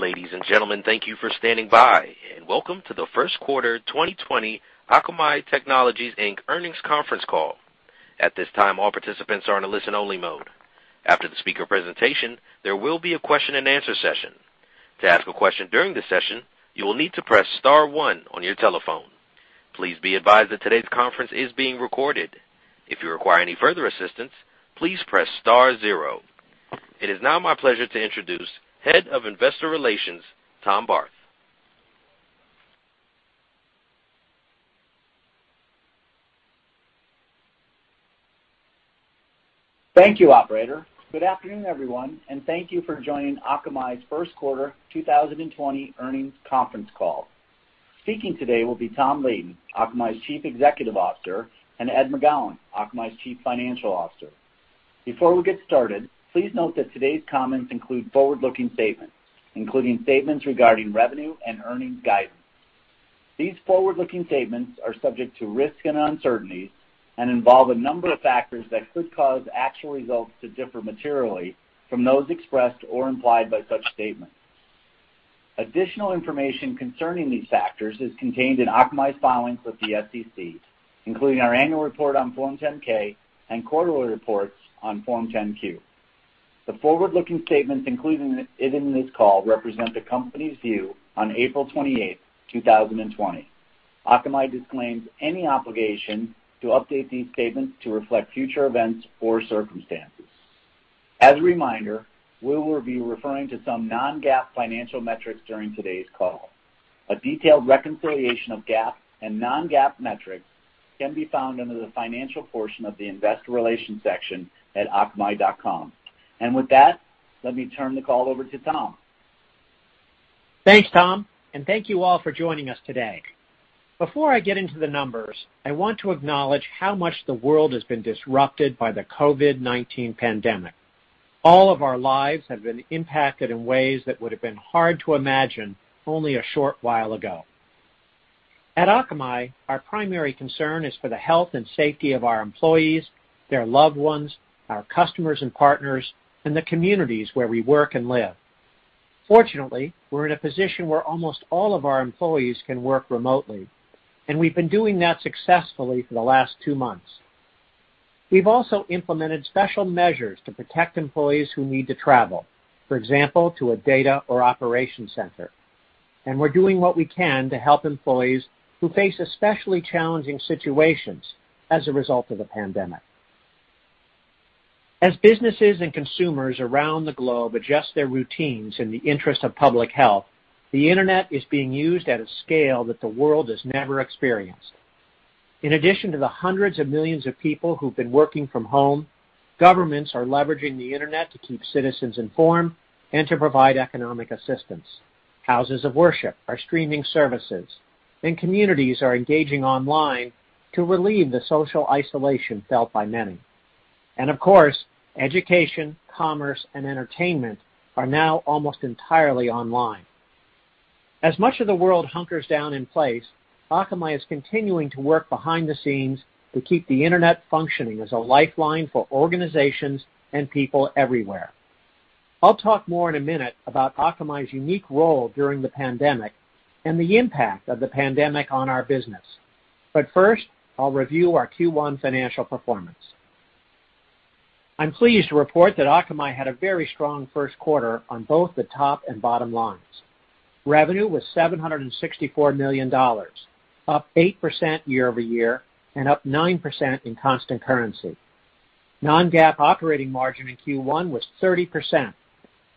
Ladies and gentlemen, thank you for standing by, and welcome to the First Quarter 2020 Akamai Technologies, Inc. Earnings Conference Call. At this time, all participants are in a listen-only mode. After the speaker presentation, there will be a question and answer session. To ask a question during the session, you will need to press star one on your telephone. Please be advised that today's conference is being recorded. If you require any further assistance, please press star zero. It is now my pleasure to introduce Head of Investor Relations, Tom Barth. Thank you, operator. Good afternoon, everyone, and thank you for joining Akamai's First Quarter 2020 Earnings Conference Call. Speaking today will be Tom Leighton, Akamai's Chief Executive Officer, and Ed McGowan, Akamai's Chief Financial Officer. Before we get started, please note that today's comments include forward-looking statements, including statements regarding revenue and earnings guidance. These forward-looking statements are subject to risks and uncertainties and involve a number of factors that could cause actual results to differ materially from those expressed or implied by such statements. Additional information concerning these factors is contained in Akamai's filings with the SEC, including our annual report on Form 10-K and quarterly reports on Form 10-Q. The forward-looking statements included in this call represent the company's view on April 28th, 2020. Akamai disclaims any obligation to update these statements to reflect future events or circumstances. As a reminder, we will be referring to some non-GAAP financial metrics during today's call. A detailed reconciliation of GAAP and non-GAAP metrics can be found under the financial portion of the investor relations section at akamai.com. With that, let me turn the call over to Tom. Thanks, Tom, and thank you all for joining us today. Before I get into the numbers, I want to acknowledge how much the world has been disrupted by the COVID-19 pandemic. All of our lives have been impacted in ways that would have been hard to imagine only a short while ago. At Akamai, our primary concern is for the health and safety of our employees, their loved ones, our customers and partners, and the communities where we work and live. Fortunately, we're in a position where almost all of our employees can work remotely, and we've been doing that successfully for the last two months. We've also implemented special measures to protect employees who need to travel, for example, to a data or operation center. We're doing what we can to help employees who face especially challenging situations as a result of the pandemic. As businesses and consumers around the globe adjust their routines in the interest of public health, the internet is being used at a scale that the world has never experienced. In addition to the hundreds of millions of people who've been working from home, governments are leveraging the internet to keep citizens informed and to provide economic assistance. Houses of worship are streaming services, communities are engaging online to relieve the social isolation felt by many. Of course, education, commerce, and entertainment are now almost entirely online. As much of the world hunkers down in place, Akamai is continuing to work behind the scenes to keep the internet functioning as a lifeline for organizations and people everywhere. I'll talk more in a minute about Akamai's unique role during the pandemic and the impact of the pandemic on our business. First, I'll review our Q1 financial performance. I'm pleased to report that Akamai had a very strong first quarter on both the top and bottom lines. Revenue was $764 million, up 8% year-over-year, and up 9% in constant currency. Non-GAAP operating margin in Q1 was 30%,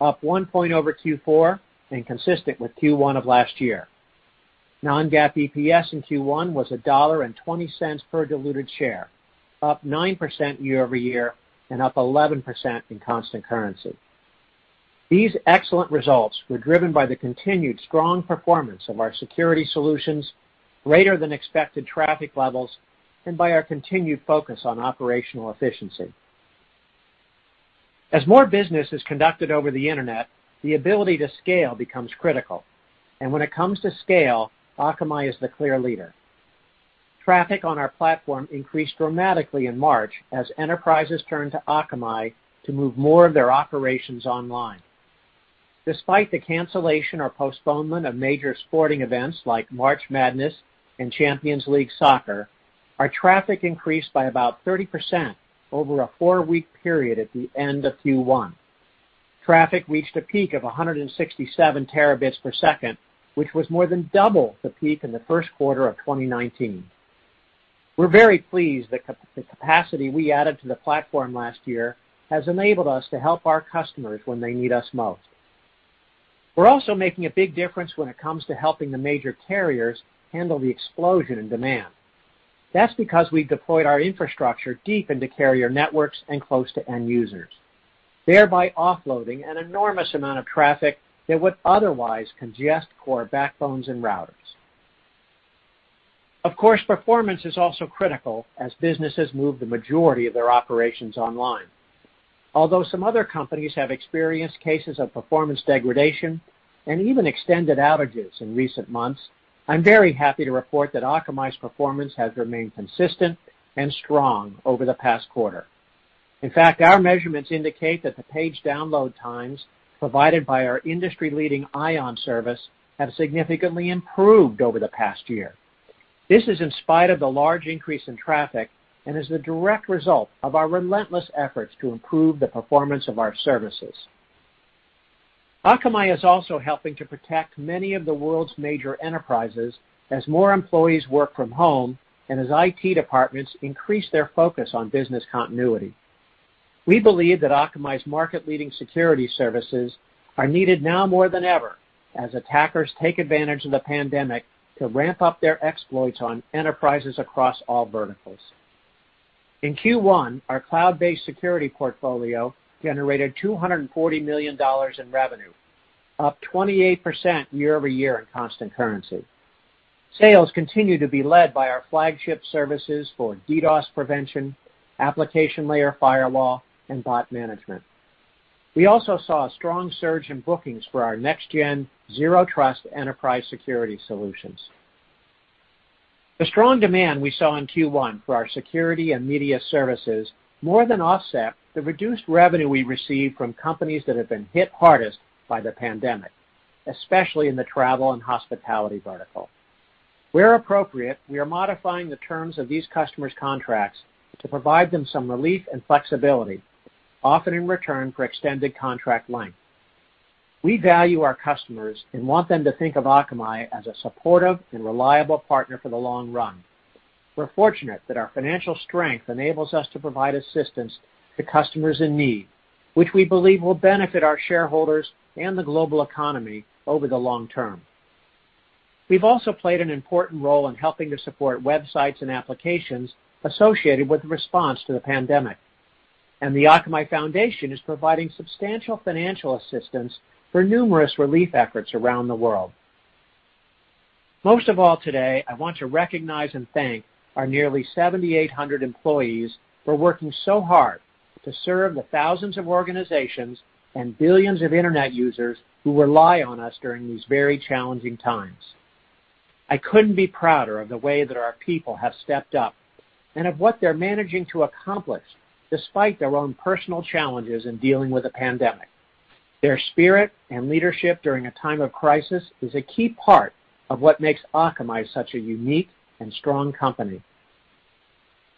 up one point over Q4 and consistent with Q1 of last year. Non-GAAP EPS in Q1 was $1.20 per diluted share, up 9% year-over-year, and up 11% in constant currency. These excellent results were driven by the continued strong performance of our security solutions, greater than expected traffic levels, and by our continued focus on operational efficiency. As more business is conducted over the internet, the ability to scale becomes critical, and when it comes to scale, Akamai is the clear leader. Traffic on our platform increased dramatically in March as enterprises turned to Akamai to move more of their operations online. Despite the cancellation or postponement of major sporting events like March Madness and Champions League soccer, our traffic increased by about 30% over a four-week period at the end of Q1. Traffic reached a peak of 167 terabits per second, which was more than double the peak in the first quarter of 2019. We're very pleased that the capacity we added to the platform last year has enabled us to help our customers when they need us most. We're also making a big difference when it comes to helping the major carriers handle the explosion in demand. That's because we deployed our infrastructure deep into carrier networks and close to end users, thereby offloading an enormous amount of traffic that would otherwise congest core backbones and routers. Of course, performance is also critical as businesses move the majority of their operations online. Although some other companies have experienced cases of performance degradation and even extended outages in recent months, I'm very happy to report that Akamai's performance has remained consistent and strong over the past quarter. In fact, our measurements indicate that the page download times provided by our industry-leading Ion service have significantly improved over the past year. This is in spite of the large increase in traffic and is the direct result of our relentless efforts to improve the performance of our services. Akamai is also helping to protect many of the world's major enterprises as more employees work from home and as IT departments increase their focus on business continuity. We believe that Akamai's market-leading security services are needed now more than ever, as attackers take advantage of the pandemic to ramp up their exploits on enterprises across all verticals. In Q1, our cloud-based security portfolio generated $240 million in revenue, up 28% year-over-year in constant currency. Sales continue to be led by our flagship services for DDoS prevention, application layer firewall, and Bot Manager. We also saw a strong surge in bookings for our next-gen Zero Trust enterprise security solutions. The strong demand we saw in Q1 for our security and media services more than offset the reduced revenue we received from companies that have been hit hardest by the pandemic, especially in the travel and hospitality vertical. Where appropriate, we are modifying the terms of these customers' contracts to provide them some relief and flexibility, often in return for extended contract length. We value our customers and want them to think of Akamai as a supportive and reliable partner for the long run. We're fortunate that our financial strength enables us to provide assistance to customers in need, which we believe will benefit our shareholders and the global economy over the long term. We've also played an important role in helping to support websites and applications associated with the response to the pandemic, and the Akamai Foundation is providing substantial financial assistance for numerous relief efforts around the world. Most of all today, I want to recognize and thank our nearly 7,800 employees for working so hard to serve the thousands of organizations and billions of internet users who rely on us during these very challenging times. I couldn't be prouder of the way that our people have stepped up and of what they're managing to accomplish despite their own personal challenges in dealing with the pandemic. Their spirit and leadership during a time of crisis is a key part of what makes Akamai such a unique and strong company.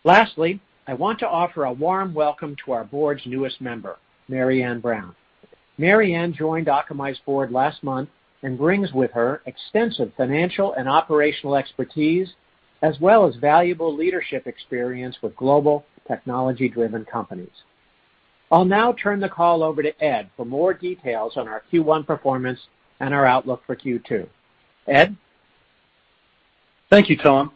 Lastly, I want to offer a warm welcome to our board's newest member, Marianne Brown. Marianne joined Akamai's board last month and brings with her extensive financial and operational expertise, as well as valuable leadership experience with global technology-driven companies. I'll now turn the call over to Ed for more details on our Q1 performance and our outlook for Q2. Ed? Thank you, Tom.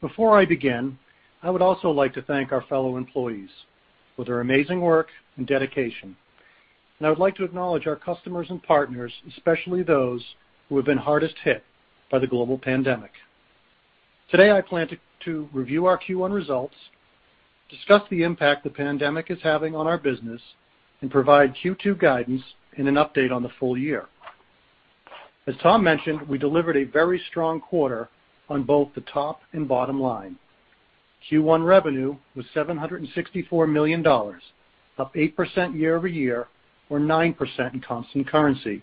Before I begin, I would also like to thank our fellow employees for their amazing work and dedication, and I would like to acknowledge our customers and partners, especially those who have been hardest hit by the global pandemic. Today, I plan to review our Q1 results, discuss the impact the pandemic is having on our business, and provide Q2 guidance and an update on the full year. As Tom mentioned, we delivered a very strong quarter on both the top and bottom line. Q1 revenue was $764 million, up 8% year-over-year or 9% in constant currency,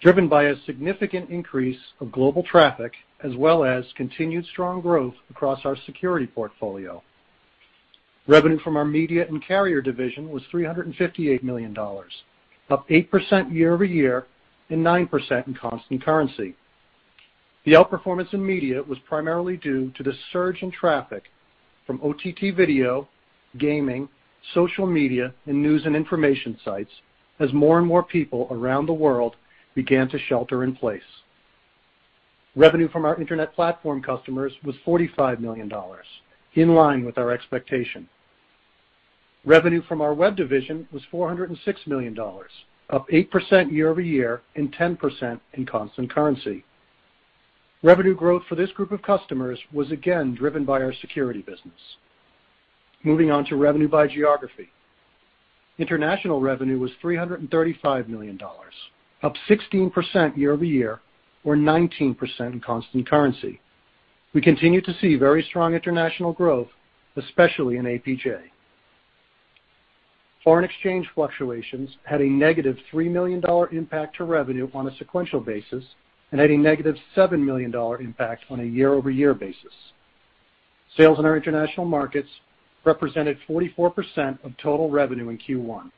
driven by a significant increase of global traffic as well as continued strong growth across our security portfolio. Revenue from our media and carrier division was $358 million, up 8% year-over-year and 9% in constant currency. The outperformance in media was primarily due to the surge in traffic from OTT video, gaming, social media, and news and information sites as more and more people around the world began to shelter in place. Revenue from our internet platform customers was $45 million, in line with our expectation. Revenue from our web division was $406 million, up 8% year-over-year and 10% in constant currency. Revenue growth for this group of customers was again driven by our security business. Moving on to revenue by geography. International revenue was $335 million, up 16% year-over-year or 19% in constant currency. We continue to see very strong international growth, especially in APJ. Foreign exchange fluctuations had a negative $3 million impact to revenue on a sequential basis and had a negative $7 million impact on a year-over-year basis. Sales in our international markets represented 44% of total revenue in Q1,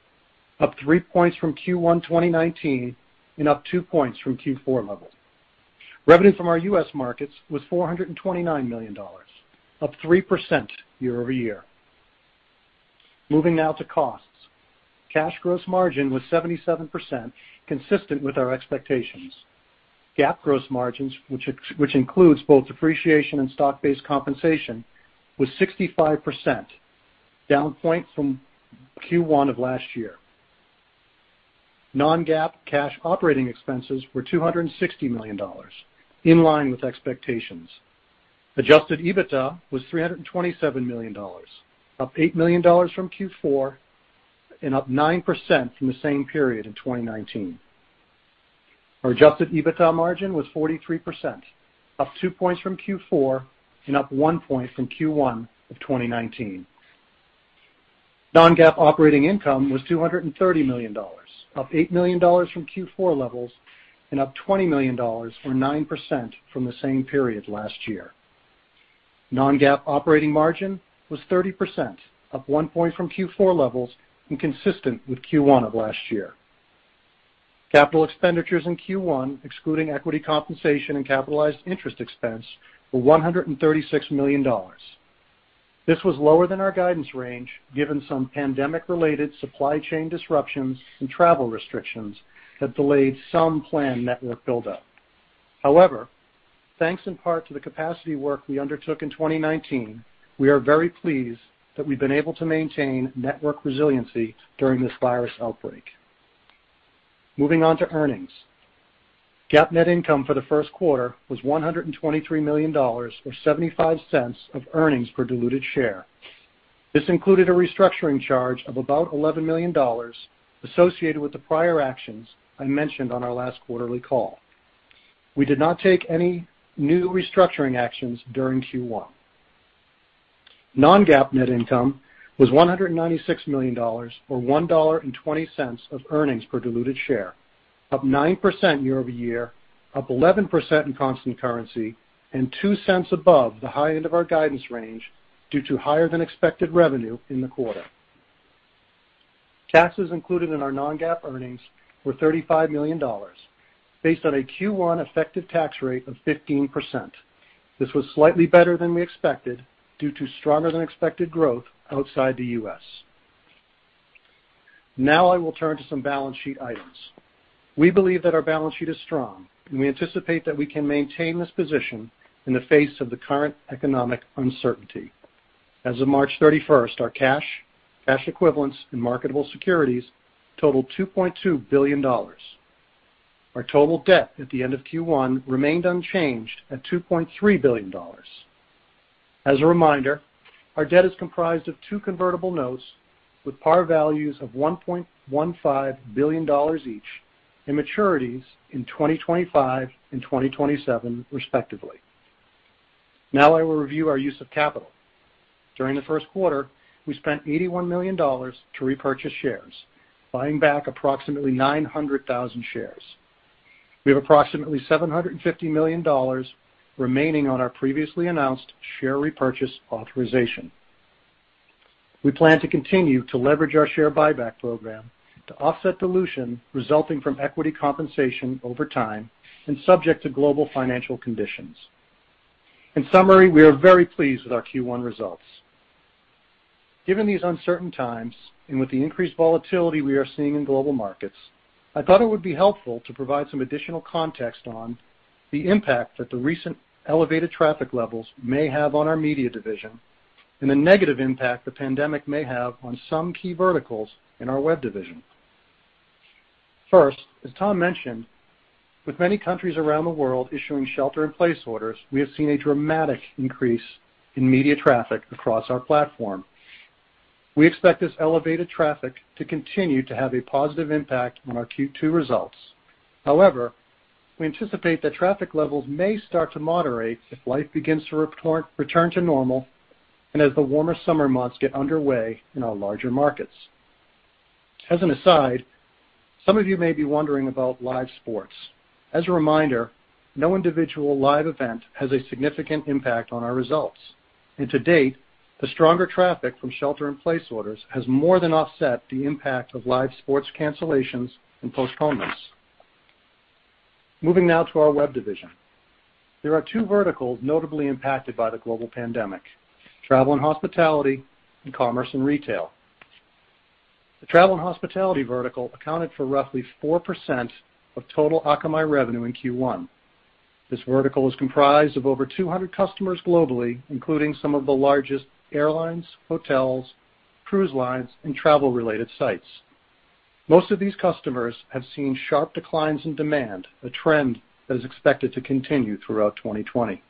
up three points from Q1 2019 and up two points from Q4 levels. Revenue from our U.S. markets was $429 million, up 3% year-over-year. Moving now to costs. Cash gross margin was 77%, consistent with our expectations. GAAP gross margins, which includes both depreciation and stock-based compensation, was 65%, down one point from Q1 of last year. Non-GAAP cash operating expenses were $260 million, in line with expectations. Adjusted EBITDA was $327 million, up $8 million from Q4 and up 9% from the same period in 2019. Our Adjusted EBITDA margin was 43%, up two points from Q4 and up one point from Q1 of 2019. Non-GAAP operating income was $230 million, up $8 million from Q4 levels, and up $20 million, or 9%, from the same period last year. Non-GAAP operating margin was 30%, up one point from Q4 levels and consistent with Q1 of last year. Capital expenditures in Q1, excluding equity compensation and capitalized interest expense, were $136 million. This was lower than our guidance range, given some pandemic-related supply chain disruptions and travel restrictions that delayed some planned network buildup. However, thanks in part to the capacity work we undertook in 2019, we are very pleased that we've been able to maintain network resiliency during this virus outbreak. Moving on to earnings. GAAP net income for the first quarter was $123 million, or $0.75 of earnings per diluted share. This included a restructuring charge of about $11 million associated with the prior actions I mentioned on our last quarterly call. We did not take any new restructuring actions during Q1. Non-GAAP net income was $196 million, or $1.20 of earnings per diluted share, up 9% year-over-year, up 11% in constant currency, and $0.02 above the high end of our guidance range due to higher than expected revenue in the quarter. Taxes included in our non-GAAP earnings were $35 million, based on a Q1 effective tax rate of 15%. This was slightly better than we expected due to stronger than expected growth outside the U.S. I will turn to some balance sheet items. We believe that our balance sheet is strong, and we anticipate that we can maintain this position in the face of the current economic uncertainty. As of March 31st, our cash, cash equivalents, and marketable securities totaled $2.2 billion. Our total debt at the end of Q1 remained unchanged at $2.3 billion. As a reminder, our debt is comprised of two convertible notes with par values of $1.15 billion each, and maturities in 2025 and 2027, respectively. I will review our use of capital. During the first quarter, we spent $81 million to repurchase shares, buying back approximately 900,000 shares. We have approximately $750 million remaining on our previously announced share repurchase authorization. We plan to continue to leverage our share buyback program to offset dilution resulting from equity compensation over time and subject to global financial conditions. In summary, we are very pleased with our Q1 results. Given these uncertain times and with the increased volatility we are seeing in global markets, I thought it would be helpful to provide some additional context on the impact that the recent elevated traffic levels may have on our media division and the negative impact the pandemic may have on some key verticals in our web division. First, as Tom mentioned, with many countries around the world issuing shelter-in-place orders, we have seen a dramatic increase in media traffic across our platform. We expect this elevated traffic to continue to have a positive impact on our Q2 results. However, we anticipate that traffic levels may start to moderate if life begins to return to normal and as the warmer summer months get underway in our larger markets. Some of you may be wondering about live sports. As a reminder, no individual live event has a significant impact on our results. To date, the stronger traffic from shelter-in-place orders has more than offset the impact of live sports cancellations and postponements. Moving now to our web division. There are two verticals notably impacted by the global pandemic, travel and hospitality, and commerce and retail. The travel and hospitality vertical accounted for roughly 4% of total Akamai revenue in Q1. This vertical is comprised of over 200 customers globally, including some of the largest airlines, hotels, cruise lines, and travel-related sites. Most of these customers have seen sharp declines in demand, a trend that is expected to continue throughout 2020.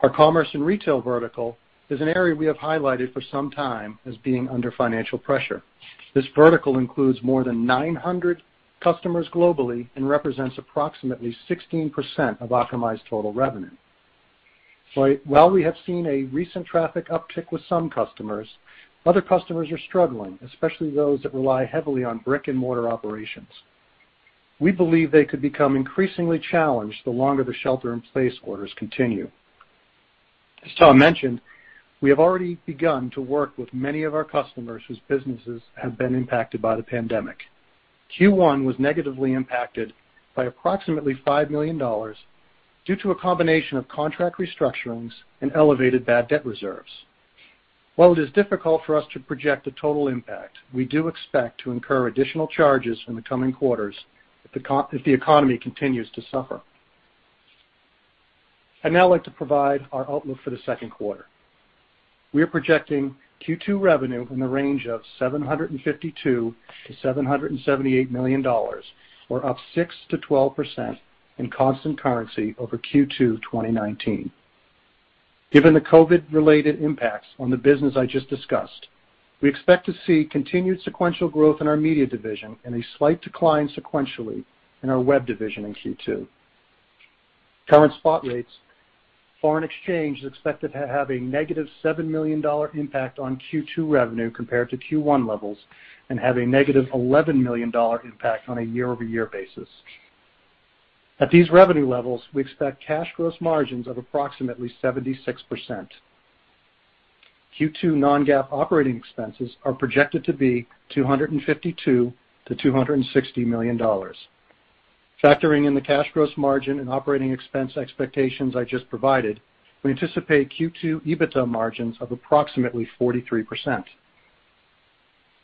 Our commerce and retail vertical is an area we have highlighted for some time as being under financial pressure. This vertical includes more than 900 customers globally and represents approximately 16% of Akamai's total revenue. While we have seen a recent traffic uptick with some customers, other customers are struggling, especially those that rely heavily on brick-and-mortar operations. We believe they could become increasingly challenged the longer the shelter-in-place orders continue. As Tom mentioned, we have already begun to work with many of our customers whose businesses have been impacted by the pandemic. Q1 was negatively impacted by approximately $5 million due to a combination of contract restructurings and elevated bad debt reserves. While it is difficult for us to project the total impact, we do expect to incur additional charges in the coming quarters if the economy continues to suffer. I'd now like to provide our outlook for the second quarter. We are projecting Q2 revenue in the range of $752 million-$778 million, or up 6%-12% in constant currency over Q2 2019. Given the COVID-related impacts on the business I just discussed, we expect to see continued sequential growth in our media division and a slight decline sequentially in our web division in Q2. Current spot rates, foreign exchange is expected to have a negative $7 million impact on Q2 revenue compared to Q1 levels and have a negative $11 million impact on a year-over-year basis. At these revenue levels, we expect cash gross margins of approximately 76%. Q2 non-GAAP operating expenses are projected to be $252 million-$260 million. Factoring in the cash gross margin and operating expense expectations I just provided, we anticipate Q2 EBITDA margins of approximately 43%.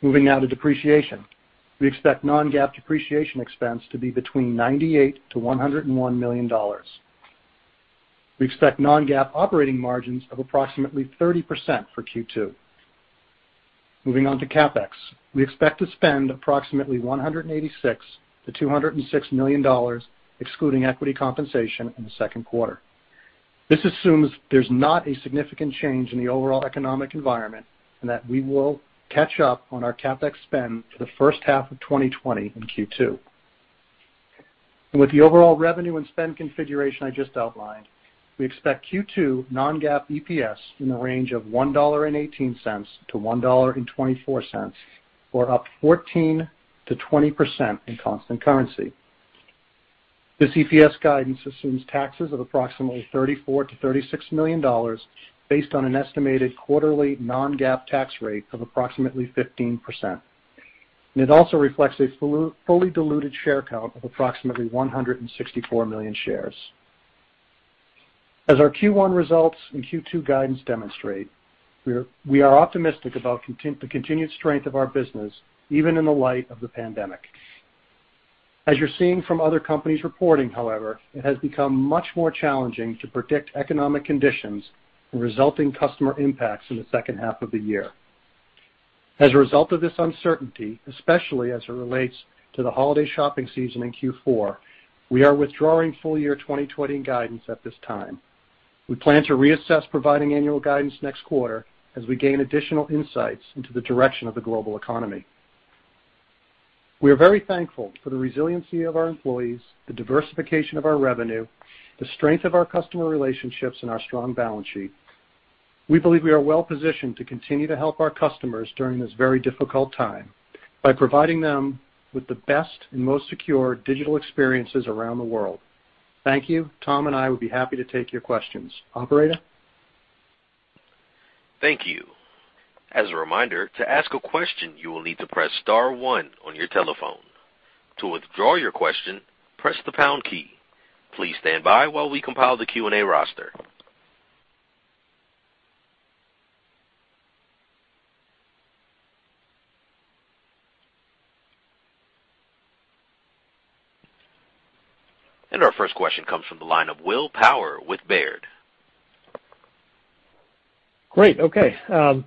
Moving now to depreciation. We expect non-GAAP depreciation expense to be between $98 million-$101 million. We expect non-GAAP operating margins of approximately 30% for Q2. Moving on to CapEx. We expect to spend approximately $186 million-$206 million, excluding equity compensation, in the second quarter. This assumes there's not a significant change in the overall economic environment, and that we will catch up on our CapEx spend for the first half of 2020 in Q2. With the overall revenue and spend configuration I just outlined, we expect Q2 non-GAAP EPS in the range of $1.18-$1.24, or up 14%-20% in constant currency. This EPS guidance assumes taxes of approximately $34 million-$36 million, based on an estimated quarterly non-GAAP tax rate of approximately 15%. It also reflects a fully diluted share count of approximately 164 million shares. As our Q1 results and Q2 guidance demonstrate, we are optimistic about the continued strength of our business, even in the light of the pandemic. As you're seeing from other companies reporting, however, it has become much more challenging to predict economic conditions and resulting customer impacts in the second half of the year. As a result of this uncertainty, especially as it relates to the holiday shopping season in Q4, we are withdrawing full-year 2020 guidance at this time. We plan to reassess providing annual guidance next quarter as we gain additional insights into the direction of the global economy. We are very thankful for the resiliency of our employees, the diversification of our revenue, the strength of our customer relationships, and our strong balance sheet. We believe we are well-positioned to continue to help our customers during this very difficult time by providing them with the best and most secure digital experiences around the world. Thank you. Tom and I would be happy to take your questions. Operator? Thank you. As a reminder, to ask a question, you will need to press star one on your telephone. To withdraw your question, press the pound key. Please stand by while we compile the Q&A roster. Our first question comes from the line of Will Power with Baird. Great. Okay.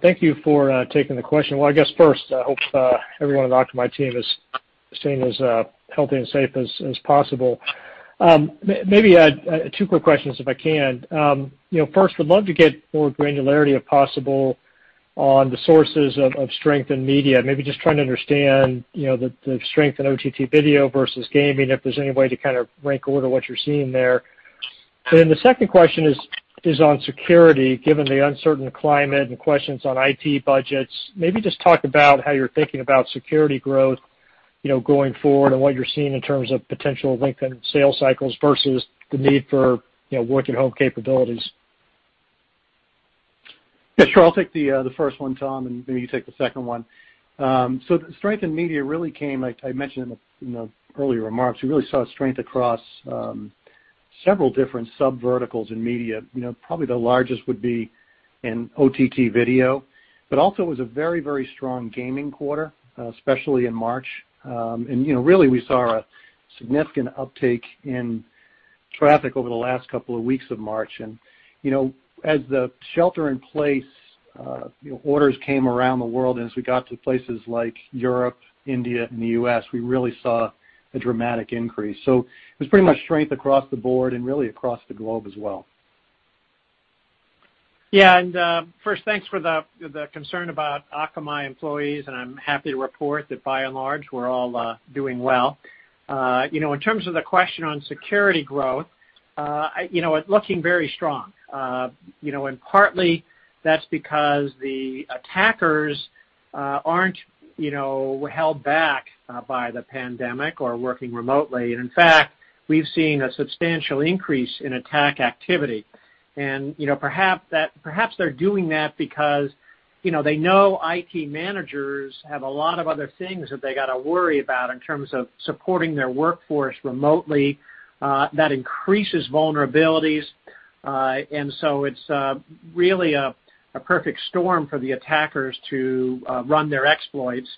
Thank you for taking the question. Well, I guess first, I hope everyone at Akamai team is staying as healthy and safe as possible. Maybe two quick questions if I can. First, would love to get more granularity, if possible, on the sources of strength in media. Maybe just trying to understand the strength in OTT video versus gaming, if there's any way to kind of rank order what you're seeing there. The second question is on security, given the uncertain climate and questions on IT budgets, maybe just talk about how you're thinking about security growth going forward and what you're seeing in terms of potential lengthened sales cycles versus the need for work-at-home capabilities. Yeah, sure. I'll take the first one, Tom, and maybe you take the second one. The strength in media really came, I mentioned in the earlier remarks, we really saw strength across several different sub-verticals in media. Probably the largest would be in OTT video. Also it was a very strong gaming quarter, especially in March. Really we saw a significant uptake in traffic over the last couple of weeks of March. As the shelter-in-place orders came around the world, and as we got to places like Europe, India, and the U.S., we really saw a dramatic increase. It was pretty much strength across the board and really across the globe as well. Yeah, first, thanks for the concern about Akamai employees, and I'm happy to report that by and large, we're all doing well. In terms of the question on security growth, it looking very strong. Partly that's because the attackers aren't held back by the pandemic or working remotely. In fact, we've seen a substantial increase in attack activity. Perhaps they're doing that because they know IT managers have a lot of other things that they got to worry about in terms of supporting their workforce remotely. That increases vulnerabilities. It's really a perfect storm for the attackers to run their exploits.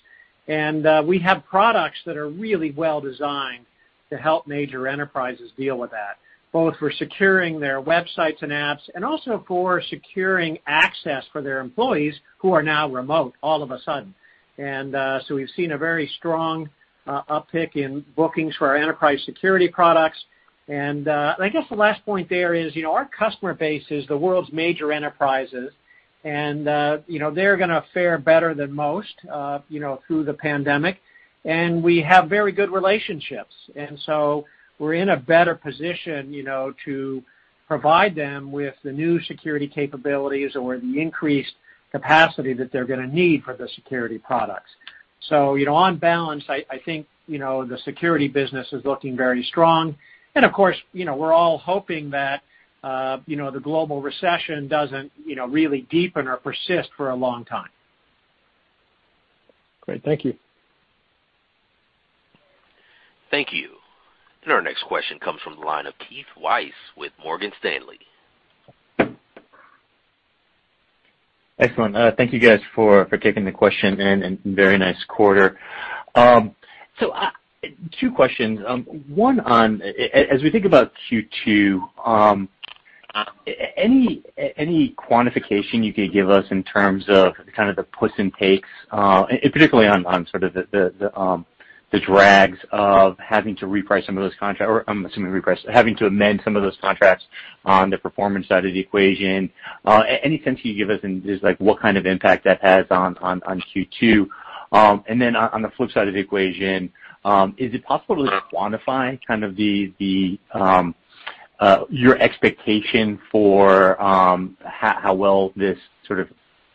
We have products that are really well-designed to help major enterprises deal with that, both for securing their websites and apps, and also for securing access for their employees who are now remote all of a sudden. We've seen a very strong uptick in bookings for our enterprise security products. I guess the last point there is our customer base is the world's major enterprises, and they're going to fare better than most through the pandemic. We have very good relationships, and so we're in a better position to provide them with the new security capabilities or the increased capacity that they're going to need for the security products. On balance, I think, the security business is looking very strong. Of course, we're all hoping that the global recession doesn't really deepen or persist for a long time. Great. Thank you. Thank you. Our next question comes from the line of Keith Weiss with Morgan Stanley. Excellent. Thank you guys for taking the question, very nice quarter. Two questions. One on, as we think about Q2, any quantification you could give us in terms of kind of the puts and takes, and particularly on sort of the drags of having to reprice some of those contracts, or I'm assuming reprice, having to amend some of those contracts on the performance side of the equation. Any sense you can give us in just like what kind of impact that has on Q2? On the flip side of the equation, is it possible to quantify kind of your expectation for how well this sort of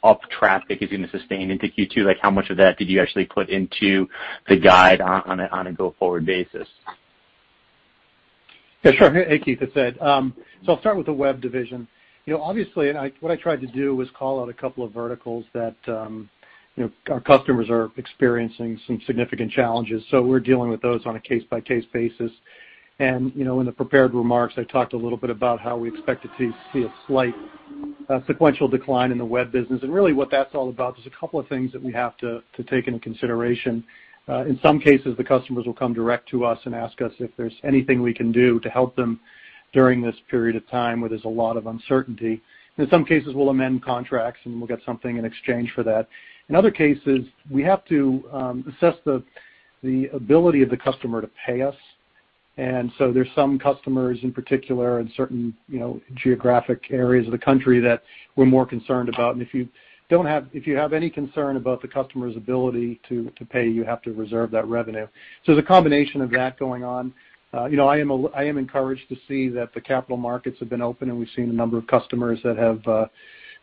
up traffic is going to sustain into Q2? How much of that did you actually put into the guide on a go-forward basis? Yeah, sure. Hey, Keith. It's Ed. I'll start with the web division. Obviously, what I tried to do was call out a couple of verticals that our customers are experiencing some significant challenges. We're dealing with those on a case-by-case basis. In the prepared remarks, I talked a little bit about how we expected to see a slight sequential decline in the web business. Really what that's all about, there's a couple of things that we have to take into consideration. In some cases, the customers will come direct to us and ask us if there's anything we can do to help them during this period of time where there's a lot of uncertainty. In some cases, we'll amend contracts, and we'll get something in exchange for that. In other cases, we have to assess the ability of the customer to pay us. There's some customers in particular in certain geographic areas of the country that we're more concerned about. If you have any concern about the customer's ability to pay, you have to reserve that revenue. There's a combination of that going on. I am encouraged to see that the capital markets have been open, and we've seen a number of customers that have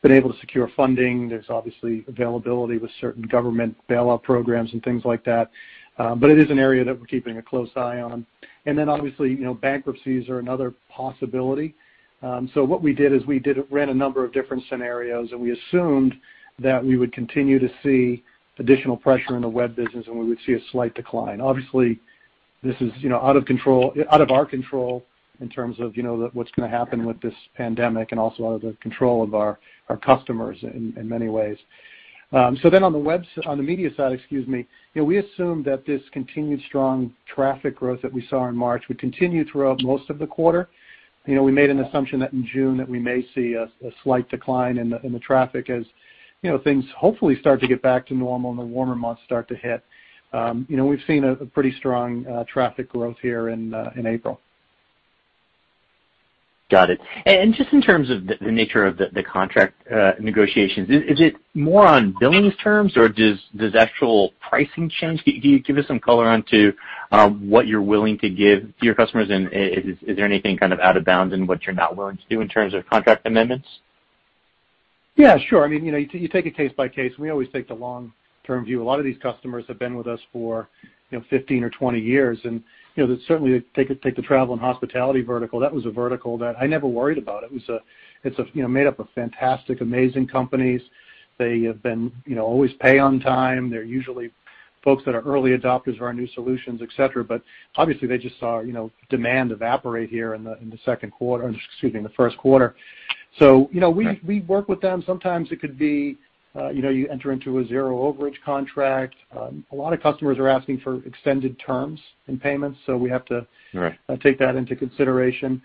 been able to secure funding. There's obviously availability with certain government bailout programs and things like that. It is an area that we're keeping a close eye on. Obviously, bankruptcies are another possibility. What we did is we ran a number of different scenarios, and we assumed that we would continue to see additional pressure in the web business, and we would see a slight decline. Obviously, this is out of our control in terms of what's going to happen with this pandemic and also out of the control of our customers in many ways. On the media side, we assumed that this continued strong traffic growth that we saw in March would continue throughout most of the quarter. We made an assumption that in June that we may see a slight decline in the traffic as things hopefully start to get back to normal and the warmer months start to hit. We've seen a pretty strong traffic growth here in April. Got it. Just in terms of the nature of the contract negotiations, is it more on billing terms or does actual pricing change? Can you give us some color onto what you're willing to give to your customers, and is there anything kind of out of bounds in what you're not willing to do in terms of contract amendments? Yeah, sure. You take it case by case. We always take the long-term view. A lot of these customers have been with us for 15 or 20 years. Certainly, take the travel and hospitality vertical. That was a vertical that I never worried about. It's made up of fantastic, amazing companies. They have been always pay on time. They're usually folks that are early adopters of our new solutions, et cetera. Obviously they just saw demand evaporate here in the first quarter. We work with them. Sometimes it could be you enter into a zero overage contract. A lot of customers are asking for extended terms in payments, we have to- Right. -take that into consideration.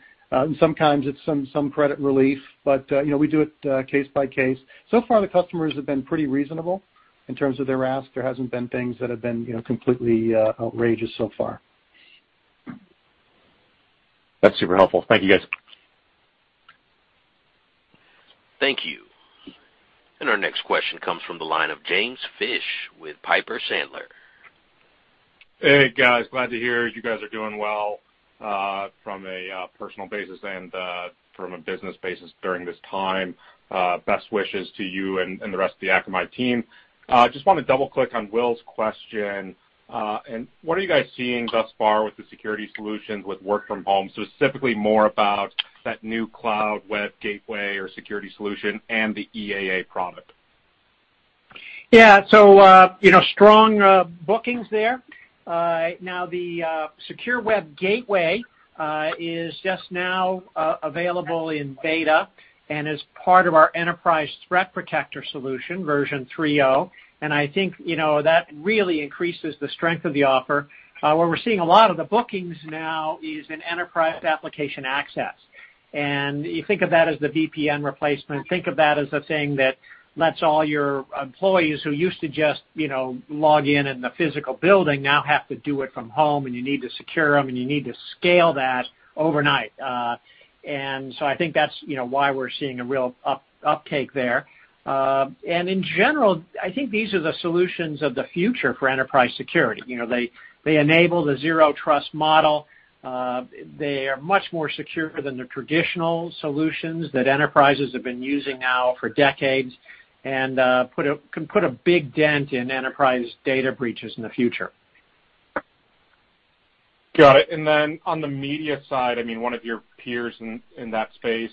Sometimes it's some credit relief, but we do it case by case. So far, the customers have been pretty reasonable in terms of their ask. There hasn't been things that have been completely outrageous so far. That's super helpful. Thank you, guys. Thank you. Our next question comes from the line of James Fish with Piper Sandler. Hey, guys. Glad to hear you guys are doing well from a personal basis and from a business basis during this time. Best wishes to you and the rest of the Akamai team. Just want to double-click on Will's question. What are you guys seeing thus far with the security solutions with work from home, specifically more about that new Secure Web Gateway or security solution and the EAA product? Yeah. Strong bookings there. Now the Secure Web Gateway, is just now available in beta and is part of our Enterprise Threat Protector solution version 3.0. I think that really increases the strength of the offer. Where we're seeing a lot of the bookings now is in Enterprise Application Access. You think of that as the VPN replacement. Think of that as a thing that lets all your employees who used to just log in in the physical building now have to do it from home, and you need to secure them, and you need to scale that overnight. I think that's why we're seeing a real uptake there. In general, I think these are the solutions of the future for enterprise security. They enable the Zero Trust model. They are much more secure than the traditional solutions that enterprises have been using now for decades and can put a big dent in enterprise data breaches in the future. Got it. On the media side, one of your peers in that space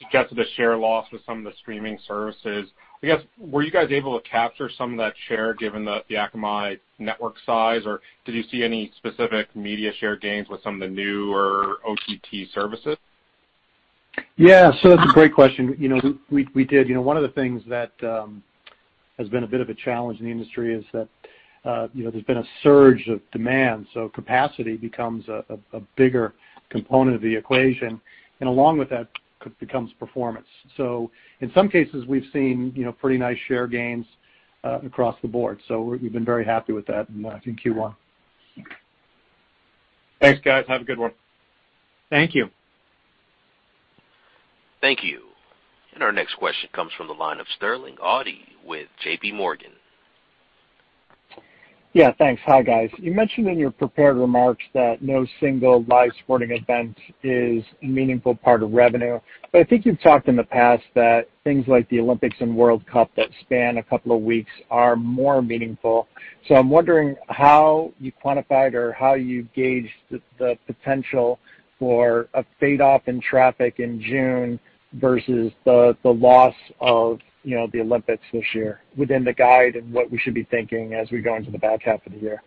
suggested a share loss with some of the streaming services. I guess, were you guys able to capture some of that share given the Akamai network size, or did you see any specific media share gains with some of the newer OTT services? Yeah. That's a great question. We did. One of the things that has been a bit of a challenge in the industry is that there's been a surge of demand, so capacity becomes a bigger component of the equation, and along with that becomes performance. In some cases, we've seen pretty nice share gains across the board. We've been very happy with that in, I think, Q1. Thanks, guys. Have a good one. Thank you. Thank you. Our next question comes from the line of Sterling Auty with JPMorgan. Yeah, thanks. Hi, guys. You mentioned in your prepared remarks that no single live sporting event is a meaningful part of revenue. I think you've talked in the past that things like the Olympics and World Cup that span a couple of weeks are more meaningful. I'm wondering how you quantified or how you gauged the potential for a fade-off in traffic in June versus the loss of the Olympics this year within the guide and what we should be thinking as we go into the back half of the year.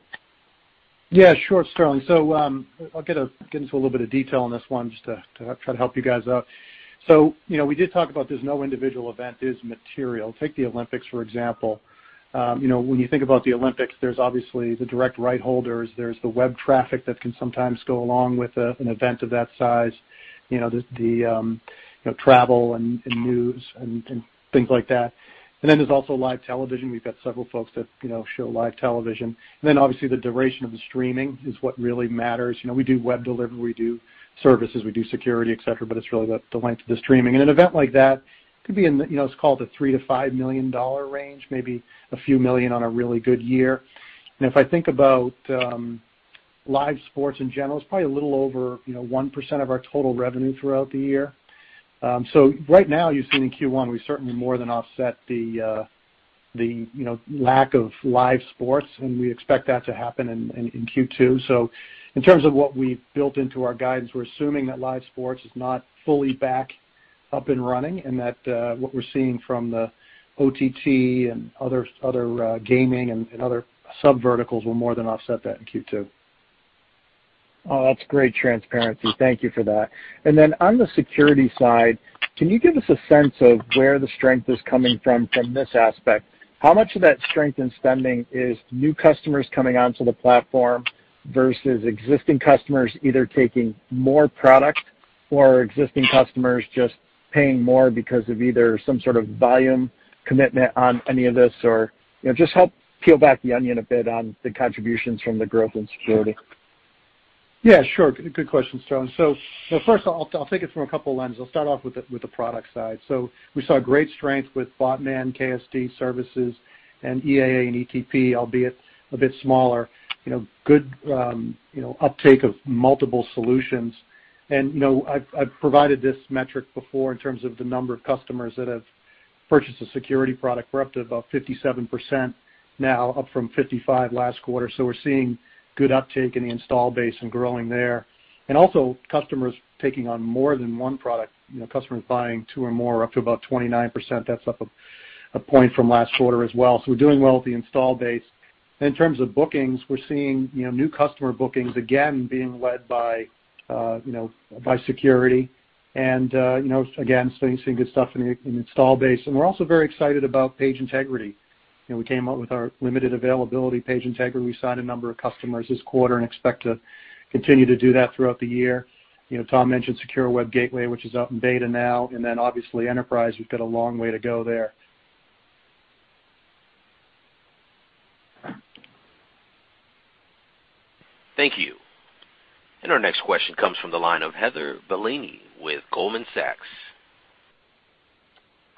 Yeah, sure, Sterling. I'll get into a little bit of detail on this one just to try to help you guys out. We did talk about there's no individual event is material. Take the Olympics, for example. When you think about the Olympics, there's obviously the direct right holders, there's the web traffic that can sometimes go along with an event of that size, the travel and news and things like that. There's also live television. We've got several folks that show live television. Obviously the duration of the streaming is what really matters. We do web delivery, we do services, we do security, et cetera, but it's really the length of the streaming. An event like that could be in, it's called a $3 million-$5 million range, maybe a few million on a really good year. If I think about live sports in general, it's probably a little over 1% of our total revenue throughout the year. Right now, you've seen in Q1, we certainly more than offset the lack of live sports, and we expect that to happen in Q2. In terms of what we've built into our guidance, we're assuming that live sports is not fully back up and running, and that what we're seeing from the OTT and other gaming and other sub-verticals will more than offset that in Q2. Oh, that's great transparency. Thank you for that. Then on the security side, can you give us a sense of where the strength is coming from this aspect? How much of that strength in spending is new customers coming onto the platform versus existing customers either taking more product or existing customers just paying more because of either some sort of volume commitment on any of this? Just help peel back the onion a bit on the contributions from the growth in security. Yeah, sure. Good question, Sterling. First, I'll take it from a couple of lenses. I'll start off with the product side. We saw great strength with Bot Manager, KSD Services, and EAA and ETP, albeit a bit smaller. Good uptake of multiple solutions. I've provided this metric before in terms of the number of customers that have purchased a security product. We're up to about 57% now, up from 55% last quarter. We're seeing good uptake in the install base and growing there. Also customers taking on more than one product, customers buying two or more are up to about 29%. That's up a point from last quarter as well. We're doing well at the install base. In terms of bookings, we're seeing new customer bookings, again, being led by security and, again, seeing good stuff in the install base. We're also very excited about Page Integrity. We came out with our limited availability Page Integrity. We signed a number of customers this quarter and expect to continue to do that throughout the year. Tom mentioned Secure Web Gateway, which is out in beta now, and then obviously Enterprise, we've got a long way to go there. Thank you. Our next question comes from the line of Heather Bellini with Goldman Sachs.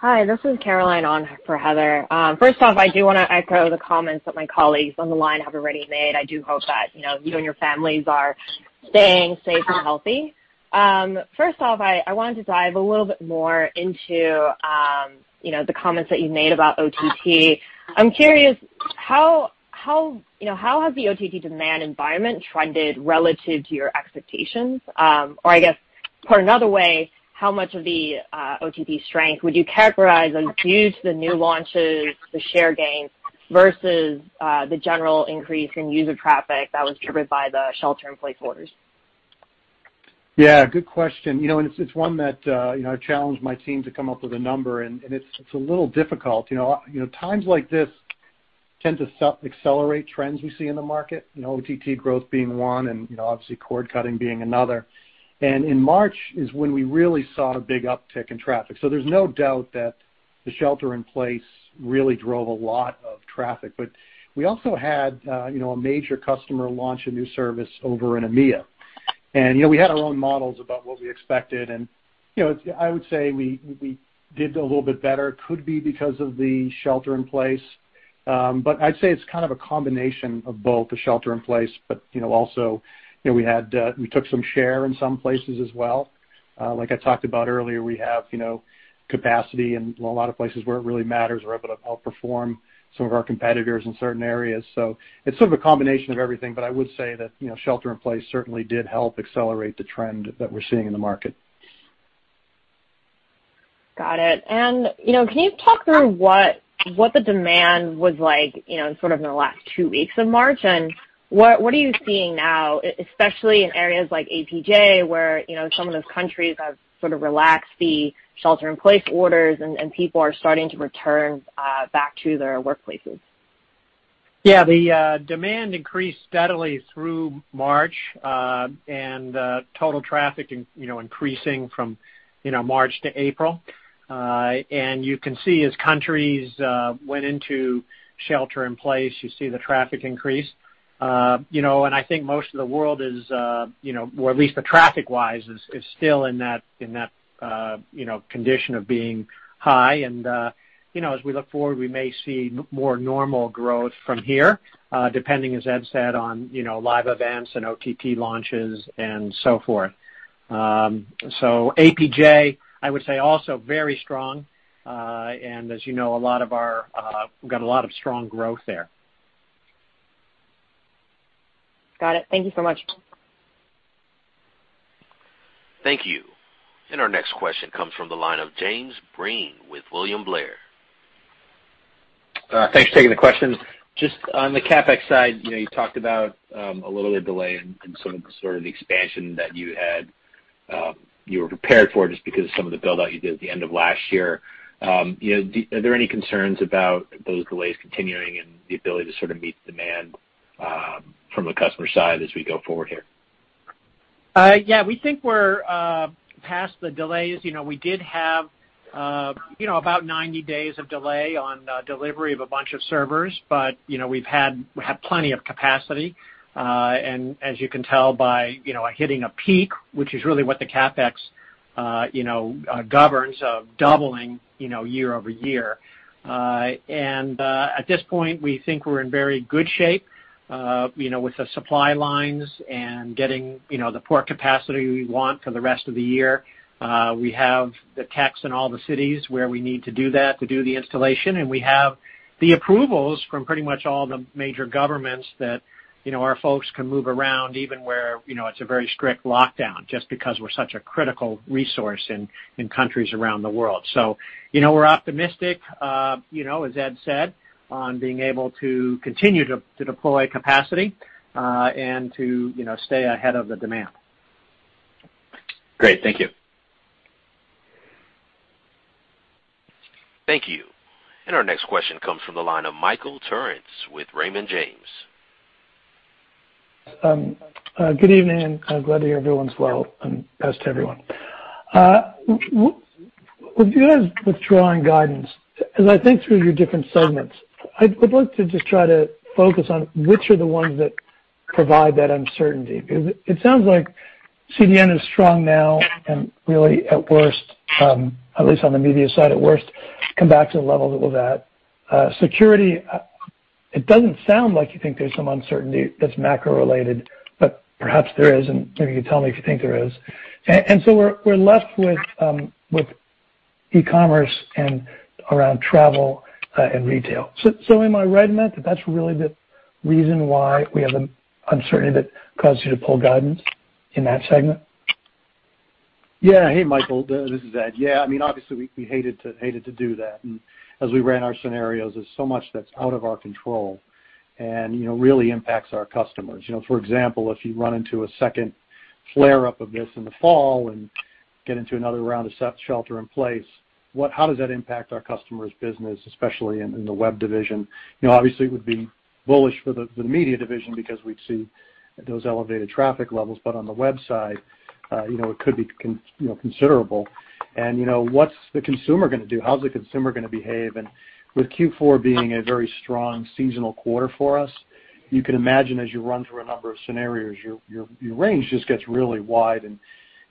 Hi, this is Caroline on for Heather. First off, I do want to echo the comments that my colleagues on the line have already made. I do hope that you and your families are staying safe and healthy. First off, I wanted to dive a little bit more into the comments that you made about OTT. I'm curious, how has the OTT demand environment trended relative to your expectations? Or I guess, put another way, how much of the OTT strength would you characterize as due to the new launches, the share gains, versus the general increase in user traffic that was driven by the shelter-in-place orders? Yeah, good question. It's one that I challenged my team to come up with a number, and it's a little difficult. Times like this tend to accelerate trends we see in the market, OTT growth being one, and obviously cord cutting being another. In March is when we really saw a big uptick in traffic. There's no doubt that the shelter in place really drove a lot of traffic. We also had a major customer launch a new service over in EMEA. We had our own models about what we expected, and I would say we did a little bit better. Could be because of the shelter in place. I'd say it's kind of a combination of both the shelter in place, but also, we took some share in some places as well. Like I talked about earlier, we have capacity in a lot of places where it really matters. We're able to outperform some of our competitors in certain areas. It's sort of a combination of everything. I would say that shelter-in-place certainly did help accelerate the trend that we're seeing in the market. Got it. Can you talk through what the demand was like in sort of the last two weeks of March, and what are you seeing now, especially in areas like APJ, where some of those countries have sort of relaxed the shelter-in-place orders, and people are starting to return back to their workplaces? Yeah, the demand increased steadily through March, total traffic increasing from March to April. You can see as countries went into shelter in place, you see the traffic increase. I think most of the world is, or at least the traffic-wise, is still in that condition of being high. As we look forward, we may see more normal growth from here, depending, as Ed said, on live events and OTT launches and so forth. APJ, I would say, also very strong. As you know, we've got a lot of strong growth there. Got it. Thank you so much. Thank you. Our next question comes from the line of James Breen with William Blair. Thanks for taking the question. Just on the CapEx side, you talked about a little bit of delay in some sort of the expansion that you were prepared for just because of some of the build-out you did at the end of last year. Are there any concerns about those delays continuing and the ability to sort of meet demand from a customer side as we go forward here? Yeah, we think we're past the delays. We did have about 90 days of delay on delivery of a bunch of servers, but we have plenty of capacity. As you can tell by hitting a peak, which is really what the CapEx governs, of doubling year-over-year. At this point, we think we're in very good shape with the supply lines and getting the port capacity we want for the rest of the year. We have the techs in all the cities where we need to do that, to do the installation, and we have the approvals from pretty much all the major governments that our folks can move around, even where it's a very strict lockdown, just because we're such a critical resource in countries around the world. We're optimistic, as Ed said, on being able to continue to deploy capacity, and to stay ahead of the demand. Great. Thank you. Thank you. Our next question comes from the line of Michael Turits with Raymond James. Good evening, glad to hear everyone's well, and best to everyone. With you guys withdrawing guidance, as I think through your different segments, I would like to just try to focus on which are the ones that provide that uncertainty. It sounds like CDN is strong now and really, at worst, at least on the media side, at worst, come back to the levels it was at. Security, it doesn't sound like you think there's some uncertainty that's macro-related, but perhaps there is, and maybe you could tell me if you think there is. We're left with e-commerce and around travel and retail. Am I right, [inaudible] that that's really the reason why we have the uncertainty that caused you to pull guidance in that segment? Hey, Michael. This is Ed. Obviously, we hated to do that. As we ran our scenarios, there's so much that's out of our control and really impacts our customers. For example, if you run into a second flare-up of this in the fall and get into another round of shelter in place, how does that impact our customers' business, especially in the web division? Obviously, it would be bullish for the media division because we'd see those elevated traffic levels. On the web side, it could be considerable. What's the consumer going to do? How's the consumer going to behave? With Q4 being a very strong seasonal quarter for us, you can imagine as you run through a number of scenarios, your range just gets really wide, and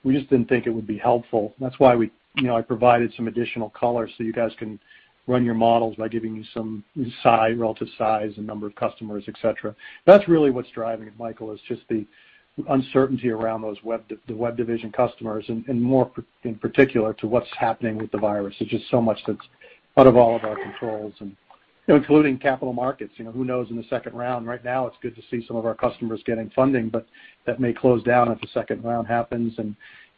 we just didn't think it would be helpful. That's why I provided some additional color so you guys can run your models by giving you some relative size and number of customers, et cetera. That's really what's driving it, Michael, is just the uncertainty around the web division customers and more in particular to what's happening with the virus. There's just so much that's out of all of our controls and including capital markets. Who knows in the second round. Right now, it's good to see some of our customers getting funding, but that may close down if the second round happens and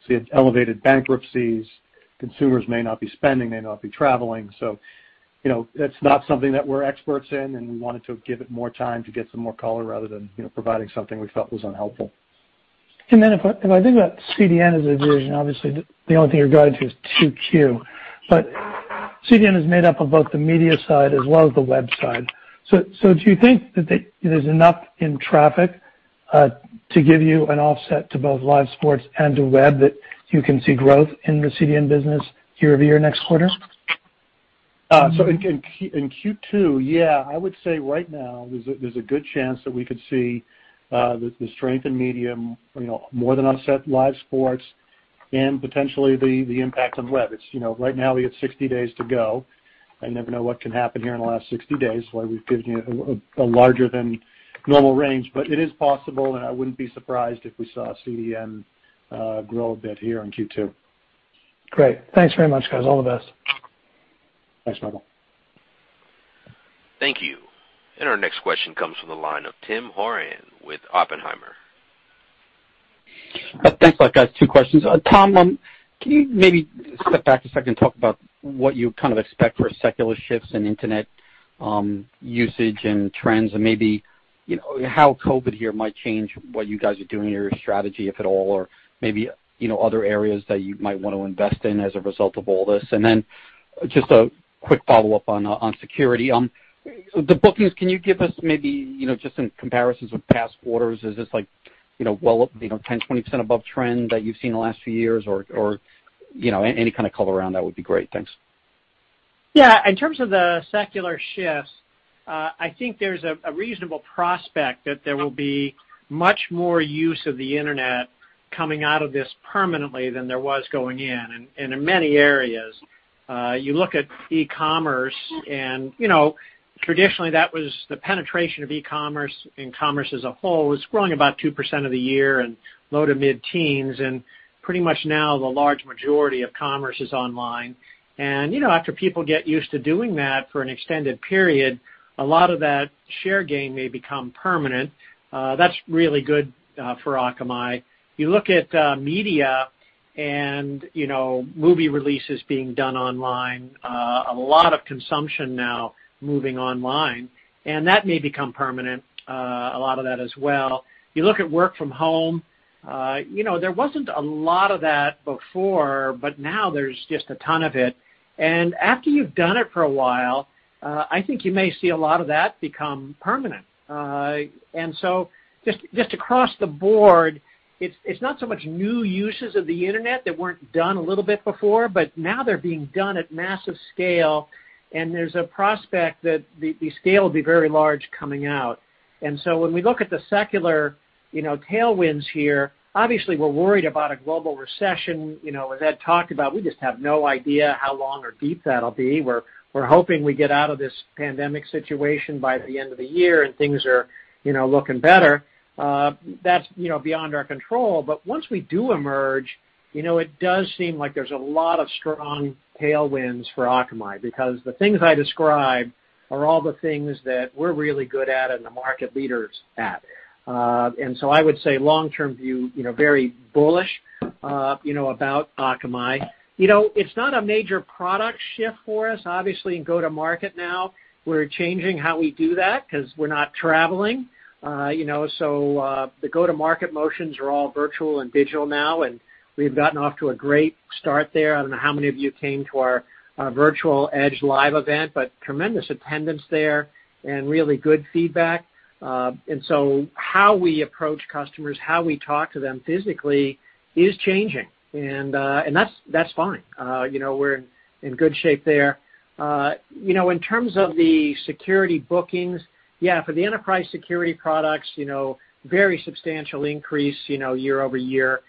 see elevated bankruptcies. Consumers may not be spending, may not be traveling. It's not something that we're experts in, and we wanted to give it more time to get some more color rather than providing something we felt was unhelpful. If I think about CDN as a division, obviously the only thing you're guiding to is 2Q. CDN is made up of both the media side as well as the web side. Do you think that there's enough in traffic to give you an offset to both live sports and to web that you can see growth in the CDN business year-over-year next quarter? In Q2, yeah, I would say right now, there's a good chance that we could see the strength in media more than offset live sports and potentially the impact on web. Right now, we have 60 days to go. I never know what can happen here in the last 60 days, why we've given you a larger than normal range. It is possible, and I wouldn't be surprised if we saw CDN grow a bit here in Q2. Great. Thanks very much, guys. All the best. Thanks, Michael. Thank you. Our next question comes from the line of Tim Horan with Oppenheimer. Thanks a lot, guys. Two questions. Tom, can you maybe step back a second and talk about what you kind of expect for secular shifts in internet usage and trends, and maybe how COVID might change what you guys are doing in your strategy, if at all, or maybe other areas that you might want to invest in as a result of all this? Just a quick follow-up on security. The bookings, can you give us maybe just in comparisons with past quarters, is this 10%, 20% above trend that you've seen in the last few years or any kind of color around that would be great. Thanks. Yeah. In terms of the secular shifts, I think there's a reasonable prospect that there will be much more use of the internet coming out of this permanently than there was going in, and in many areas. You look at e-commerce and traditionally, that was the penetration of e-commerce, and commerce as a whole, was growing about 2% of the year and low to mid-teens, and pretty much now the large majority of commerce is online. After people get used to doing that for an extended period, a lot of that share gain may become permanent. That's really good for Akamai. You look at media and movie releases being done online, a lot of consumption now moving online, and that may become permanent, a lot of that as well. You look at work from home. There wasn't a lot of that before, but now there's just a ton of it. After you've done it for a while, I think you may see a lot of that become permanent. Just across the board, it's not so much new uses of the internet that weren't done a little bit before, but now they're being done at massive scale, and there's a prospect that the scale will be very large coming out. When we look at the secular tailwinds here, obviously, we're worried about a global recession. As Ed talked about, we just have no idea how long or deep that'll be. We're hoping we get out of this pandemic situation by the end of the year and things are looking better. That's beyond our control. Once we do emerge, it does seem like there's a lot of strong tailwinds for Akamai because the things I describe are all the things that we're really good at and the market leaders at. I would say long-term view, very bullish about Akamai. It's not a major product shift for us. Obviously, in go-to-market now, we're changing how we do that because we're not traveling. The go-to-market motions are all virtual and digital now, and we've gotten off to a great start there. I don't know how many of you came to our virtual Edge Live event, but tremendous attendance there and really good feedback. How we approach customers, how we talk to them physically is changing. That's fine. We're in good shape there. In terms of the security bookings, yeah, for the enterprise security products, very substantial increase year-over-year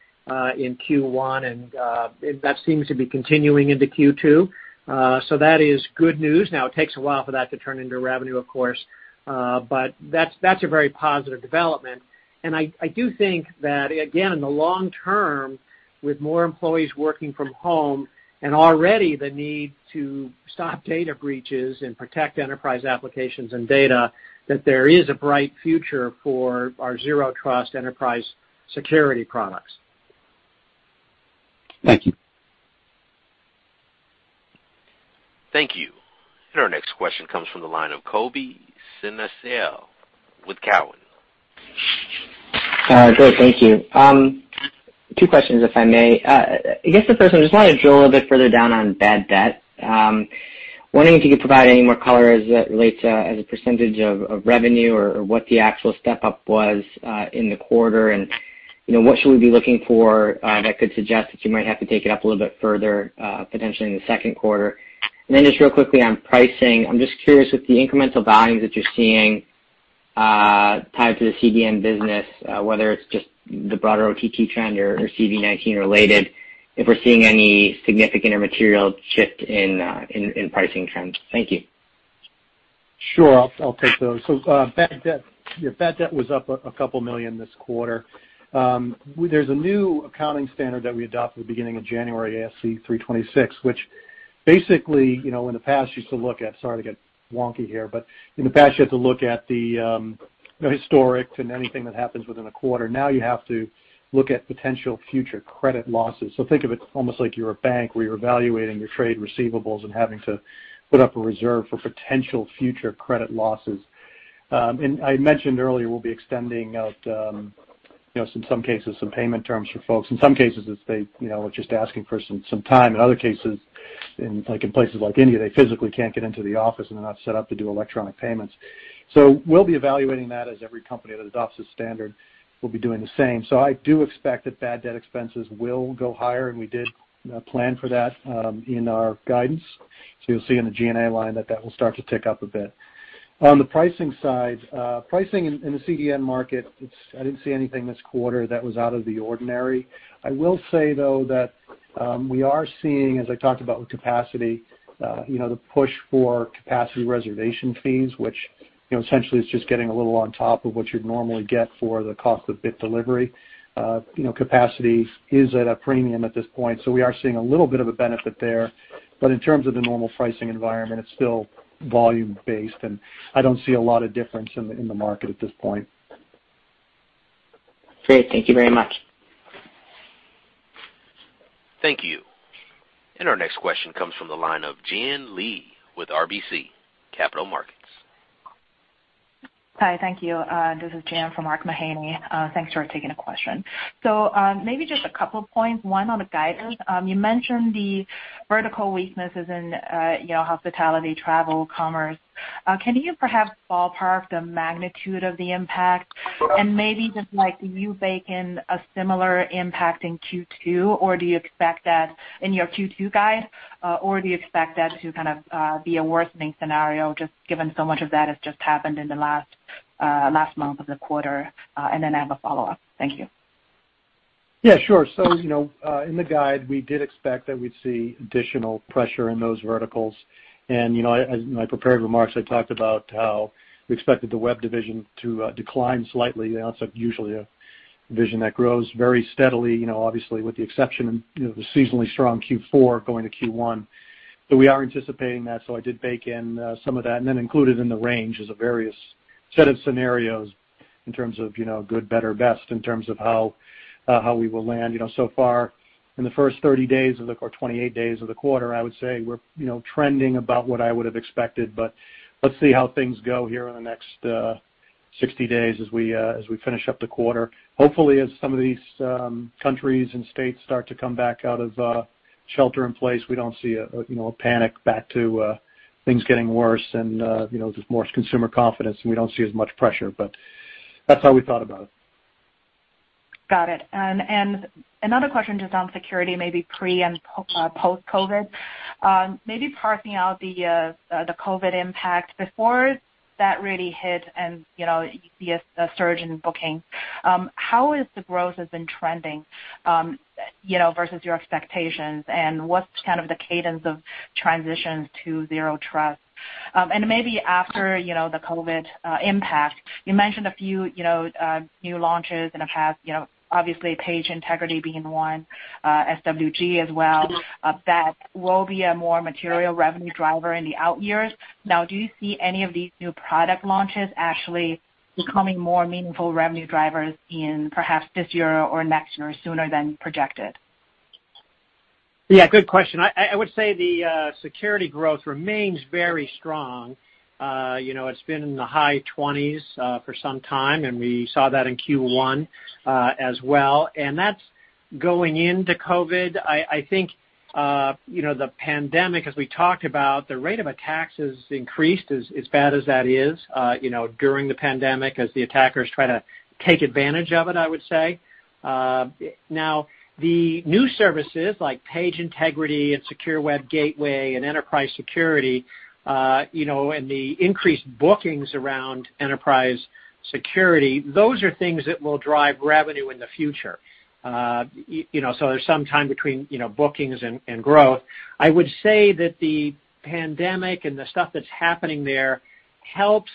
in Q1, and that seems to be continuing into Q2. That is good news. It takes a while for that to turn into revenue, of course, but that's a very positive development. I do think that, again, in the long term, with more employees working from home and already the need to stop data breaches and protect enterprise applications and data, that there is a bright future for our Zero Trust enterprise security products. Thank you. Thank you. Our next question comes from the line of Colby Synesael with Cowen. Great. Thank you. Two questions, if I may. I guess the first one, just want to drill a little bit further down on bad debt. Wondering if you could provide any more color as it relates as a percentage of revenue or what the actual step-up was in the quarter and what should we be looking for that could suggest that you might have to take it up a little bit further potentially in the second quarter? Then just real quickly on pricing. I'm just curious if the incremental volumes that you're seeing tied to the CDN business, whether it's just the broader OTT trend or CV19 related, if we're seeing any significant or material shift in pricing trends. Thank you. Sure. I'll take those. Bad debt was up a couple million this quarter. There's a new accounting standard that we adopted at the beginning of January, ASC 326, which basically, Sorry to get wonky here, but in the past, you had to look at the historic and anything that happens within a quarter. Now, you have to look at potential future credit losses. Think of it almost like you're a bank where you're evaluating your trade receivables and having to put up a reserve for potential future credit losses. I mentioned earlier we'll be extending out, in some cases, some payment terms for folks. In some cases, they were just asking for some time. In other cases, like in places like India, they physically can't get into the office, and they're not set up to do electronic payments. We'll be evaluating that as every company that adopts this standard will be doing the same. I do expect that bad debt expenses will go higher, and we did plan for that in our guidance. You'll see in the G&A line that that will start to tick up a bit. On the pricing side, pricing in the CDN market, I didn't see anything this quarter that was out of the ordinary. I will say, though, that we are seeing, as I talked about with capacity, the push for capacity reservation fees, which essentially is just getting a little on top of what you'd normally get for the cost of bit delivery. Capacity is at a premium at this point, we are seeing a little bit of a benefit there. In terms of the normal pricing environment, it's still volume-based, and I don't see a lot of difference in the market at this point. Great. Thank you very much. Thank you. Our next question comes from the line of Jian Li with RBC Capital Markets. Hi, thank you. This is Jian for Mark Mahaney. Thanks for taking the question. Maybe just a couple points. One on the guidance. You mentioned the vertical weaknesses in hospitality, travel, commerce. Can you perhaps ballpark the magnitude of the impact? Maybe just do you bake in a similar impact in Q2, or do you expect that in your Q2 guide, or do you expect that to kind of be a worsening scenario, just given so much of that has just happened in the last month of the quarter? I have a follow-up. Thank you. Yeah, sure. In the guide, we did expect that we'd see additional pressure in those verticals. In my prepared remarks, I talked about how we expected the web division to decline slightly. That's usually a division that grows very steadily, obviously with the exception of the seasonally strong Q4 going to Q1. We are anticipating that, so I did bake in some of that, and then included in the range is a various set of scenarios in terms of good, better, best in terms of how we will land. So far in the first 30 days or 28 days of the quarter, I would say we're trending about what I would have expected. Let's see how things go here in the next 60 days as we finish up the quarter. Hopefully, as some of these countries and states start to come back out of shelter in place, we don't see a panic back to things getting worse and just more consumer confidence, and we don't see as much pressure. That's how we thought about it. Got it. Another question just on security, maybe pre and post-COVID. Maybe parsing out the COVID impact. Before that really hit and you see a surge in booking, how has the growth has been trending versus your expectations, and what's kind of the cadence of transitions to Zero Trust? Maybe after the COVID impact, you mentioned a few new launches in the past, obviously Page Integrity being one, SWG as well, that will be a more material revenue driver in the out years. Now, do you see any of these new product launches actually becoming more meaningful revenue drivers in perhaps this year or next year sooner than projected? Yeah, good question. I would say the security growth remains very strong. It's been in the high 20s for some time, and we saw that in Q1 as well. That's going into COVID. I think the pandemic, as we talked about, the rate of attacks has increased, as bad as that is, during the pandemic as the attackers try to take advantage of it, I would say. The new services like Page Integrity and Secure Web Gateway and Enterprise Security, and the increased bookings around Enterprise Security, those are things that will drive revenue in the future. There's some time between bookings and growth. I would say that the pandemic and the stuff that's happening there helps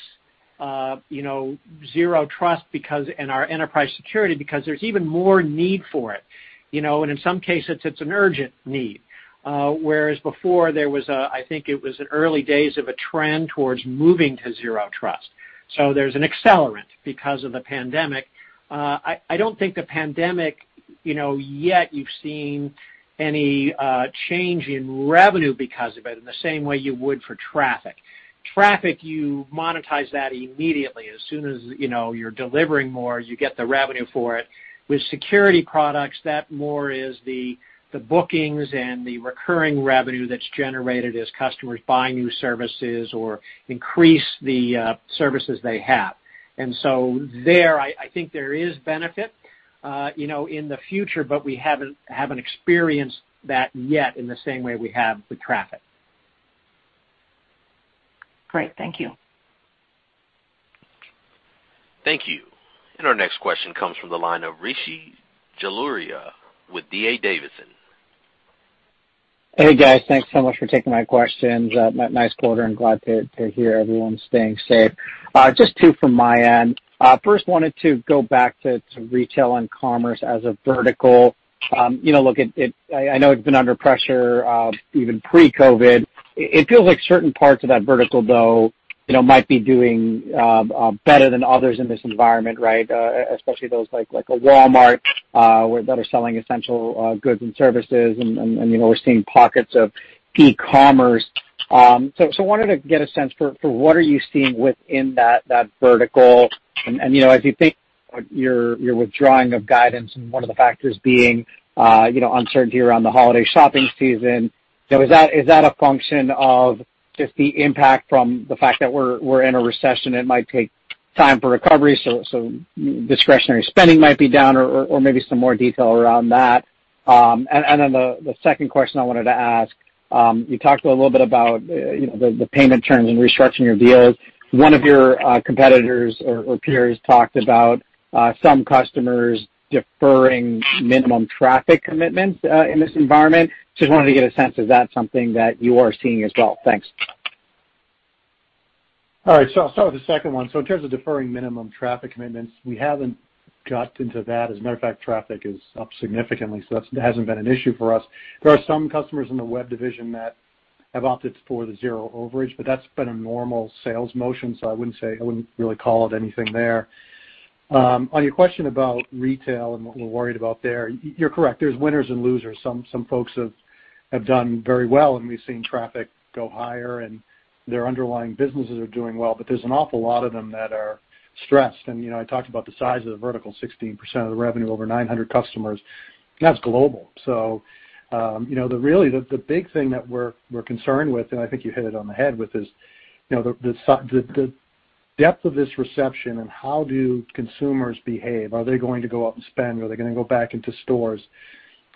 Zero Trust and our Enterprise Security because there's even more need for it. In some cases, it's an urgent need. Whereas before, there was a trend towards moving to Zero Trust. There's an accelerant because of the pandemic. I don't think the pandemic, yet you've seen any change in revenue because of it in the same way you would for traffic. Traffic, you monetize that immediately. As soon as you're delivering more, you get the revenue for it. With security products, that more is the bookings and the recurring revenue that's generated as customers buy new services or increase the services they have. There, I think there is benefit in the future, but we haven't experienced that yet in the same way we have with traffic. Great. Thank you. Thank you. Our next question comes from the line of Rishi Jaluria with D.A. Davidson. Hey, guys. Thanks so much for taking my questions. Nice quarter, and glad to hear everyone's staying safe. Just two from my end. First, wanted to go back to retail and commerce as a vertical. I know it's been under pressure even pre-COVID-19. It feels like certain parts of that vertical, though, might be doing better than others in this environment, right? Especially those like a Walmart, that are selling essential goods and services, and we're seeing pockets of e-commerce. Wanted to get a sense for what are you seeing within that vertical, and as you think your withdrawing of guidance and one of the factors being uncertainty around the holiday shopping season. Is that a function of just the impact from the fact that we're in a recession, it might take time for recovery, so discretionary spending might be down, or maybe some more detail around that? The second question I wanted to ask, you talked a little bit about the payment terms and restructuring your deals. One of your competitors or peers talked about some customers deferring minimum traffic commitments in this environment. Just wanted to get a sense of that something that you are seeing as well. Thanks. All right. I'll start with the second one. In terms of deferring minimum traffic commitments, we haven't got into that. As a matter of fact, traffic is up significantly, so that hasn't been an issue for us. There are some customers in the web division that have opted for the zero overage, but that's been a normal sales motion, so I wouldn't really call it anything there. On your question about retail and what we're worried about there, you're correct. There's winners and losers. Some folks have done very well, and we've seen traffic go higher, and their underlying businesses are doing well. There's an awful lot of them that are stressed. I talked about the size of the vertical, 16% of the revenue, over 900 customers. That's global. Really, the big thing that we're concerned with, and I think you hit it on the head with this, the depth of this recession and how do consumers behave. Are they going to go out and spend? Are they going to go back into stores?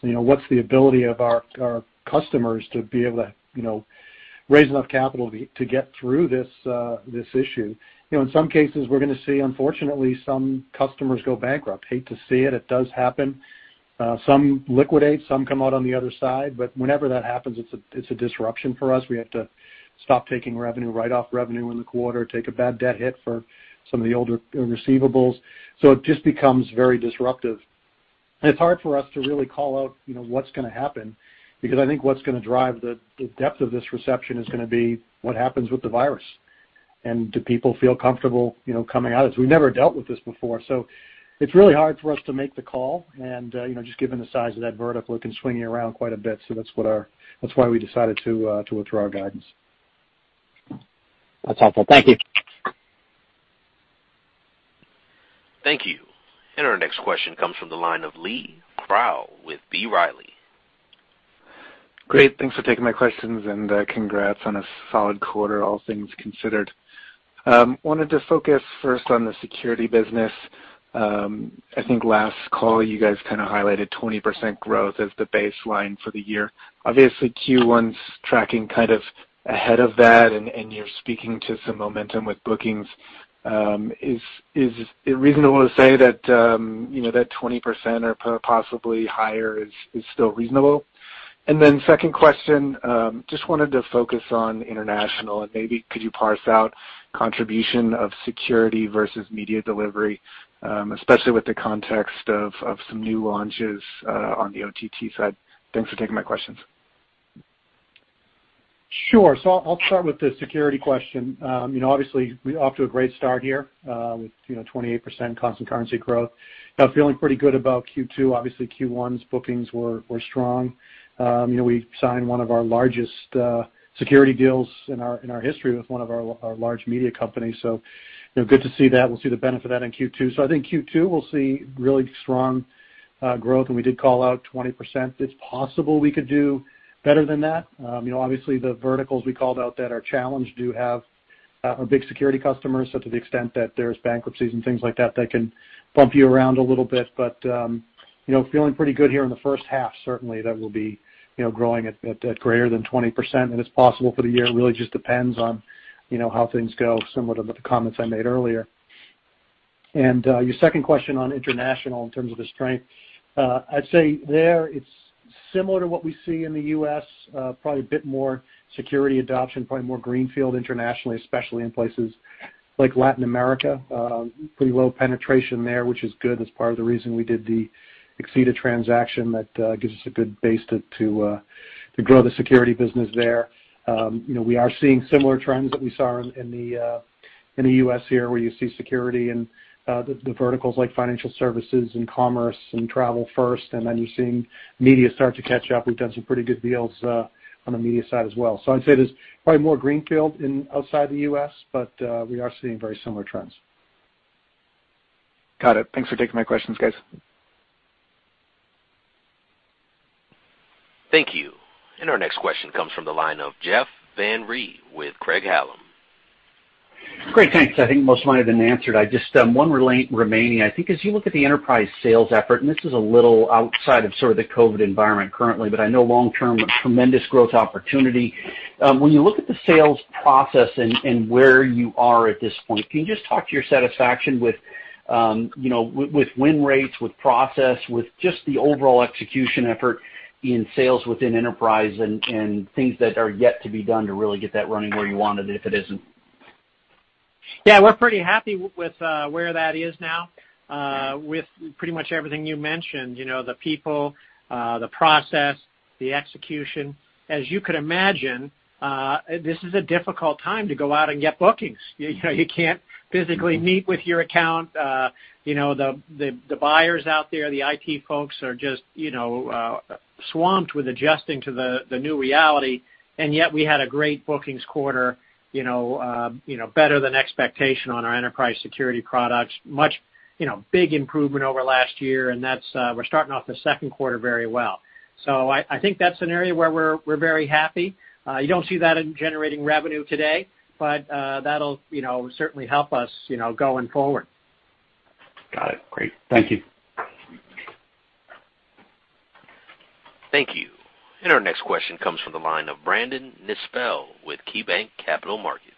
What's the ability of our customers to be able to raise enough capital to get through this issue? In some cases, we're going to see, unfortunately, some customers go bankrupt. Hate to see it. It does happen. Some liquidate, some come out on the other side. Whenever that happens, it's a disruption for us. We have to stop taking revenue, write off revenue in the quarter, take a bad debt hit for some of the older receivables. It just becomes very disruptive. It's hard for us to really call out what's going to happen, because I think what's going to drive the depth of this recession is going to be what happens with the virus. Do people feel comfortable coming out? As we never dealt with this before. It's really hard for us to make the call, and just given the size of that vertical, it can swing you around quite a bit. That's why we decided to withdraw our guidance. That's helpful. Thank you. Thank you. Our next question comes from the line of Lee Krowl with B. Riley. Great. Thanks for taking my questions, and congrats on a solid quarter, all things considered. Wanted to focus first on the security business. I think last call, you guys kind of highlighted 20% growth as the baseline for the year. Obviously, Q1's tracking kind of ahead of that, and you're speaking to some momentum with bookings. Is it reasonable to say that 20% or possibly higher is still reasonable? Second question, just wanted to focus on international, and maybe could you parse out contribution of security versus media delivery, especially with the context of some new launches on the OTT side. Thanks for taking my questions. Sure. I'll start with the security question. Obviously we're off to a great start here with 28% constant currency growth. Feeling pretty good about Q2. Obviously Q1's bookings were strong. We signed one of our largest security deals in our history with one of our large media companies, so good to see that. We'll see the benefit of that in Q2. I think Q2 will see really strong growth, and we did call out 20%. It's possible we could do better than that. Obviously the verticals we called out that are challenged do have our big security customers. To the extent that there's bankruptcies and things like that can bump you around a little bit. Feeling pretty good here in the first half, certainly that we'll be growing at greater than 20%, and it's possible for the year. It really just depends on how things go, similar to the comments I made earlier. Your second question on international in terms of the strength. I'd say there it's similar to what we see in the U.S., probably a bit more security adoption, probably more greenfield internationally, especially in places like Latin America. Pretty low penetration there, which is good. That's part of the reason we did the Exceda transaction. That gives us a good base to grow the security business there. We are seeing similar trends that we saw in the U.S. here, where you see security and the verticals like financial services and commerce and travel first, and then you're seeing media start to catch up. We've done some pretty good deals on the media side as well. I'd say there's probably more greenfield outside the U.S., but we are seeing very similar trends. Got it. Thanks for taking my questions, guys. Thank you. Our next question comes from the line of Jeff Van Rhee with Craig-Hallum. Great. Thanks. I think most of mine have been answered. I just have one remaining. As you look at the Enterprise sales effort, this is a little outside of sort of the COVID-19 environment currently, I know long-term, tremendous growth opportunity. When you look at the sales process and where you are at this point, can you just talk to your satisfaction with win rates, with process, with just the overall execution effort in sales within Enterprise and things that are yet to be done to really get that running where you want it, if it isn't? Yeah, we're pretty happy with where that is now, with pretty much everything you mentioned, the people, the process, the execution. As you could imagine, this is a difficult time to go out and get bookings. You can't physically meet with your account. The buyers out there, the IT folks are just swamped with adjusting to the new reality. Yet we had a great bookings quarter, better than expectation on our enterprise security products. Big improvement over last year. We're starting off the second quarter very well. I think that's an area where we're very happy. You don't see that in generating revenue today, but that'll certainly help us going forward. Got it. Great. Thank you. Thank you. Our next question comes from the line of Brandon Nispel with KeyBanc Capital Markets.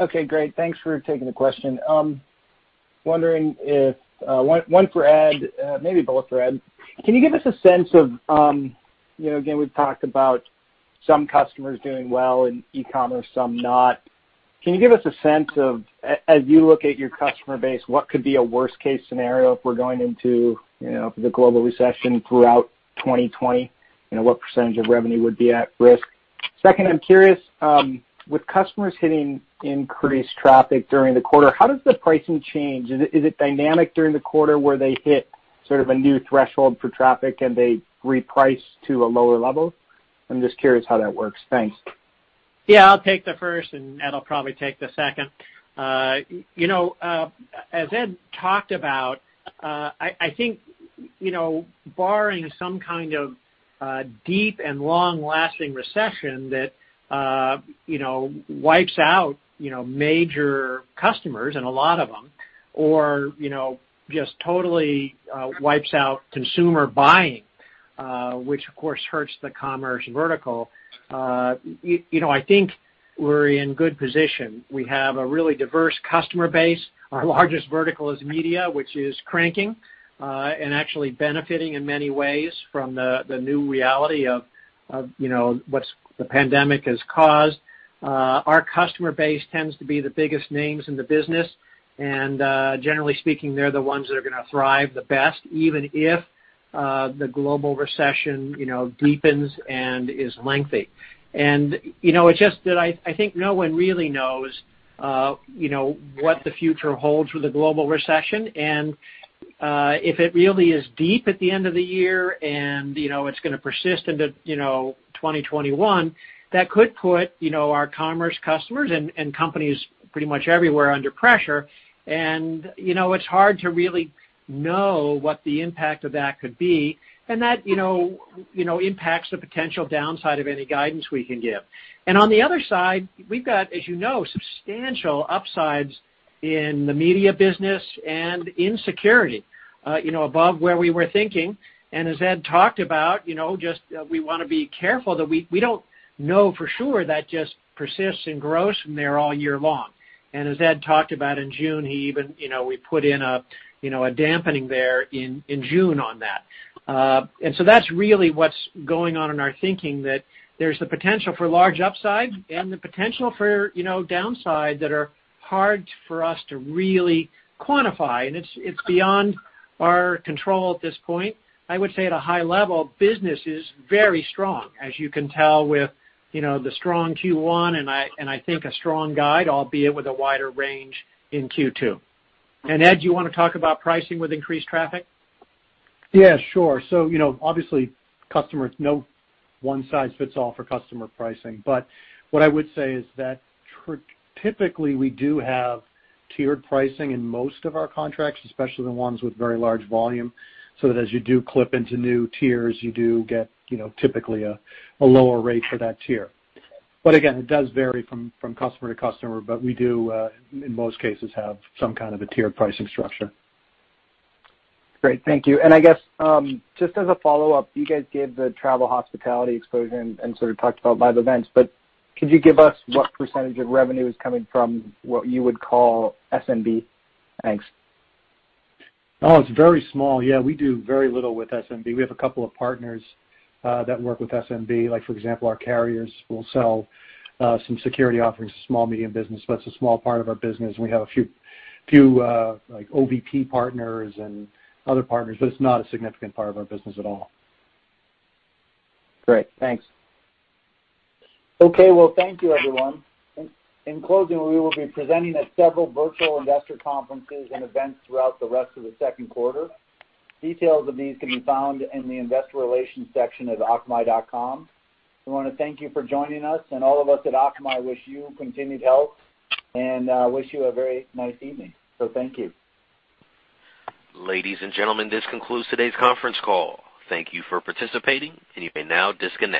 Okay, great. Thanks for taking the question. One for Ed, maybe both for Ed. Can you give us a sense of, again, we've talked about some customers doing well in e-commerce, some not. Can you give us a sense of, as you look at your customer base, what could be a worst-case scenario if we're going into the global recession throughout 2020? What percent of revenue would be at risk? Second, I'm curious, with customers hitting increased traffic during the quarter, how does the pricing change? Is it dynamic during the quarter, where they hit sort of a new threshold for traffic and they reprice to a lower level? I'm just curious how that works. Thanks. I'll take the first, and Ed will probably take the second. As Ed talked about, I think, barring some kind of deep and long-lasting recession that wipes out major customers, and a lot of them, or just totally wipes out consumer buying, which of course hurts the commerce vertical, I think we're in good position. We have a really diverse customer base. Our largest vertical is media, which is cranking and actually benefiting in many ways from the new reality of what the pandemic has caused. Our customer base tends to be the biggest names in the business, and generally speaking, they're the ones that are going to thrive the best, even if the global recession deepens and is lengthy. It's just that I think no one really knows what the future holds with a global recession. If it really is deep at the end of the year and it's going to persist into 2021, that could put our commerce customers and companies pretty much everywhere under pressure. It's hard to really know what the impact of that could be, and that impacts the potential downside of any guidance we can give. On the other side, we've got, as you know, substantial upsides in the media business and in security above where we were thinking. As Ed talked about, we want to be careful that we don't know for sure that just persists and grows from there all year long. As Ed talked about in June, we put in a dampening there in June on that. That's really what's going on in our thinking, that there's the potential for large upside and the potential for downside that are hard for us to really quantify, and it's beyond our control at this point. I would say at a high level, business is very strong, as you can tell with the strong Q1, and I think a strong guide, albeit with a wider range in Q2. Ed, do you want to talk about pricing with increased traffic? Yeah, sure. Obviously, no one size fits all for customer pricing. What I would say is that typically, we do have tiered pricing in most of our contracts, especially the ones with very large volume, so that as you do clip into new tiers, you do get typically a lower rate for that tier. Again, it does vary from customer to customer, but we do, in most cases, have some kind of a tiered pricing structure. Great. Thank you. I guess, just as a follow-up, you guys gave the travel hospitality exposure and sort of talked about live events, but could you give us what percentage of revenue is coming from what you would call SMB? Thanks. Oh, it's very small. Yeah, we do very little with SMB. We have a couple of partners that work with SMB. Like, for example, our carriers will sell some security offerings to small, medium business, but that's a small part of our business, and we have a few OVP partners and other partners, but it's not a significant part of our business at all. Great. Thanks. Okay. Well, thank you, everyone. In closing, we will be presenting at several virtual investor conferences and events throughout the rest of the second quarter. Details of these can be found in the investor relations section of akamai.com. We want to thank you for joining us, and all of us at Akamai wish you continued health and wish you a very nice evening. Thank you. Ladies and gentlemen, this concludes today's conference call. Thank you for participating, and you may now disconnect.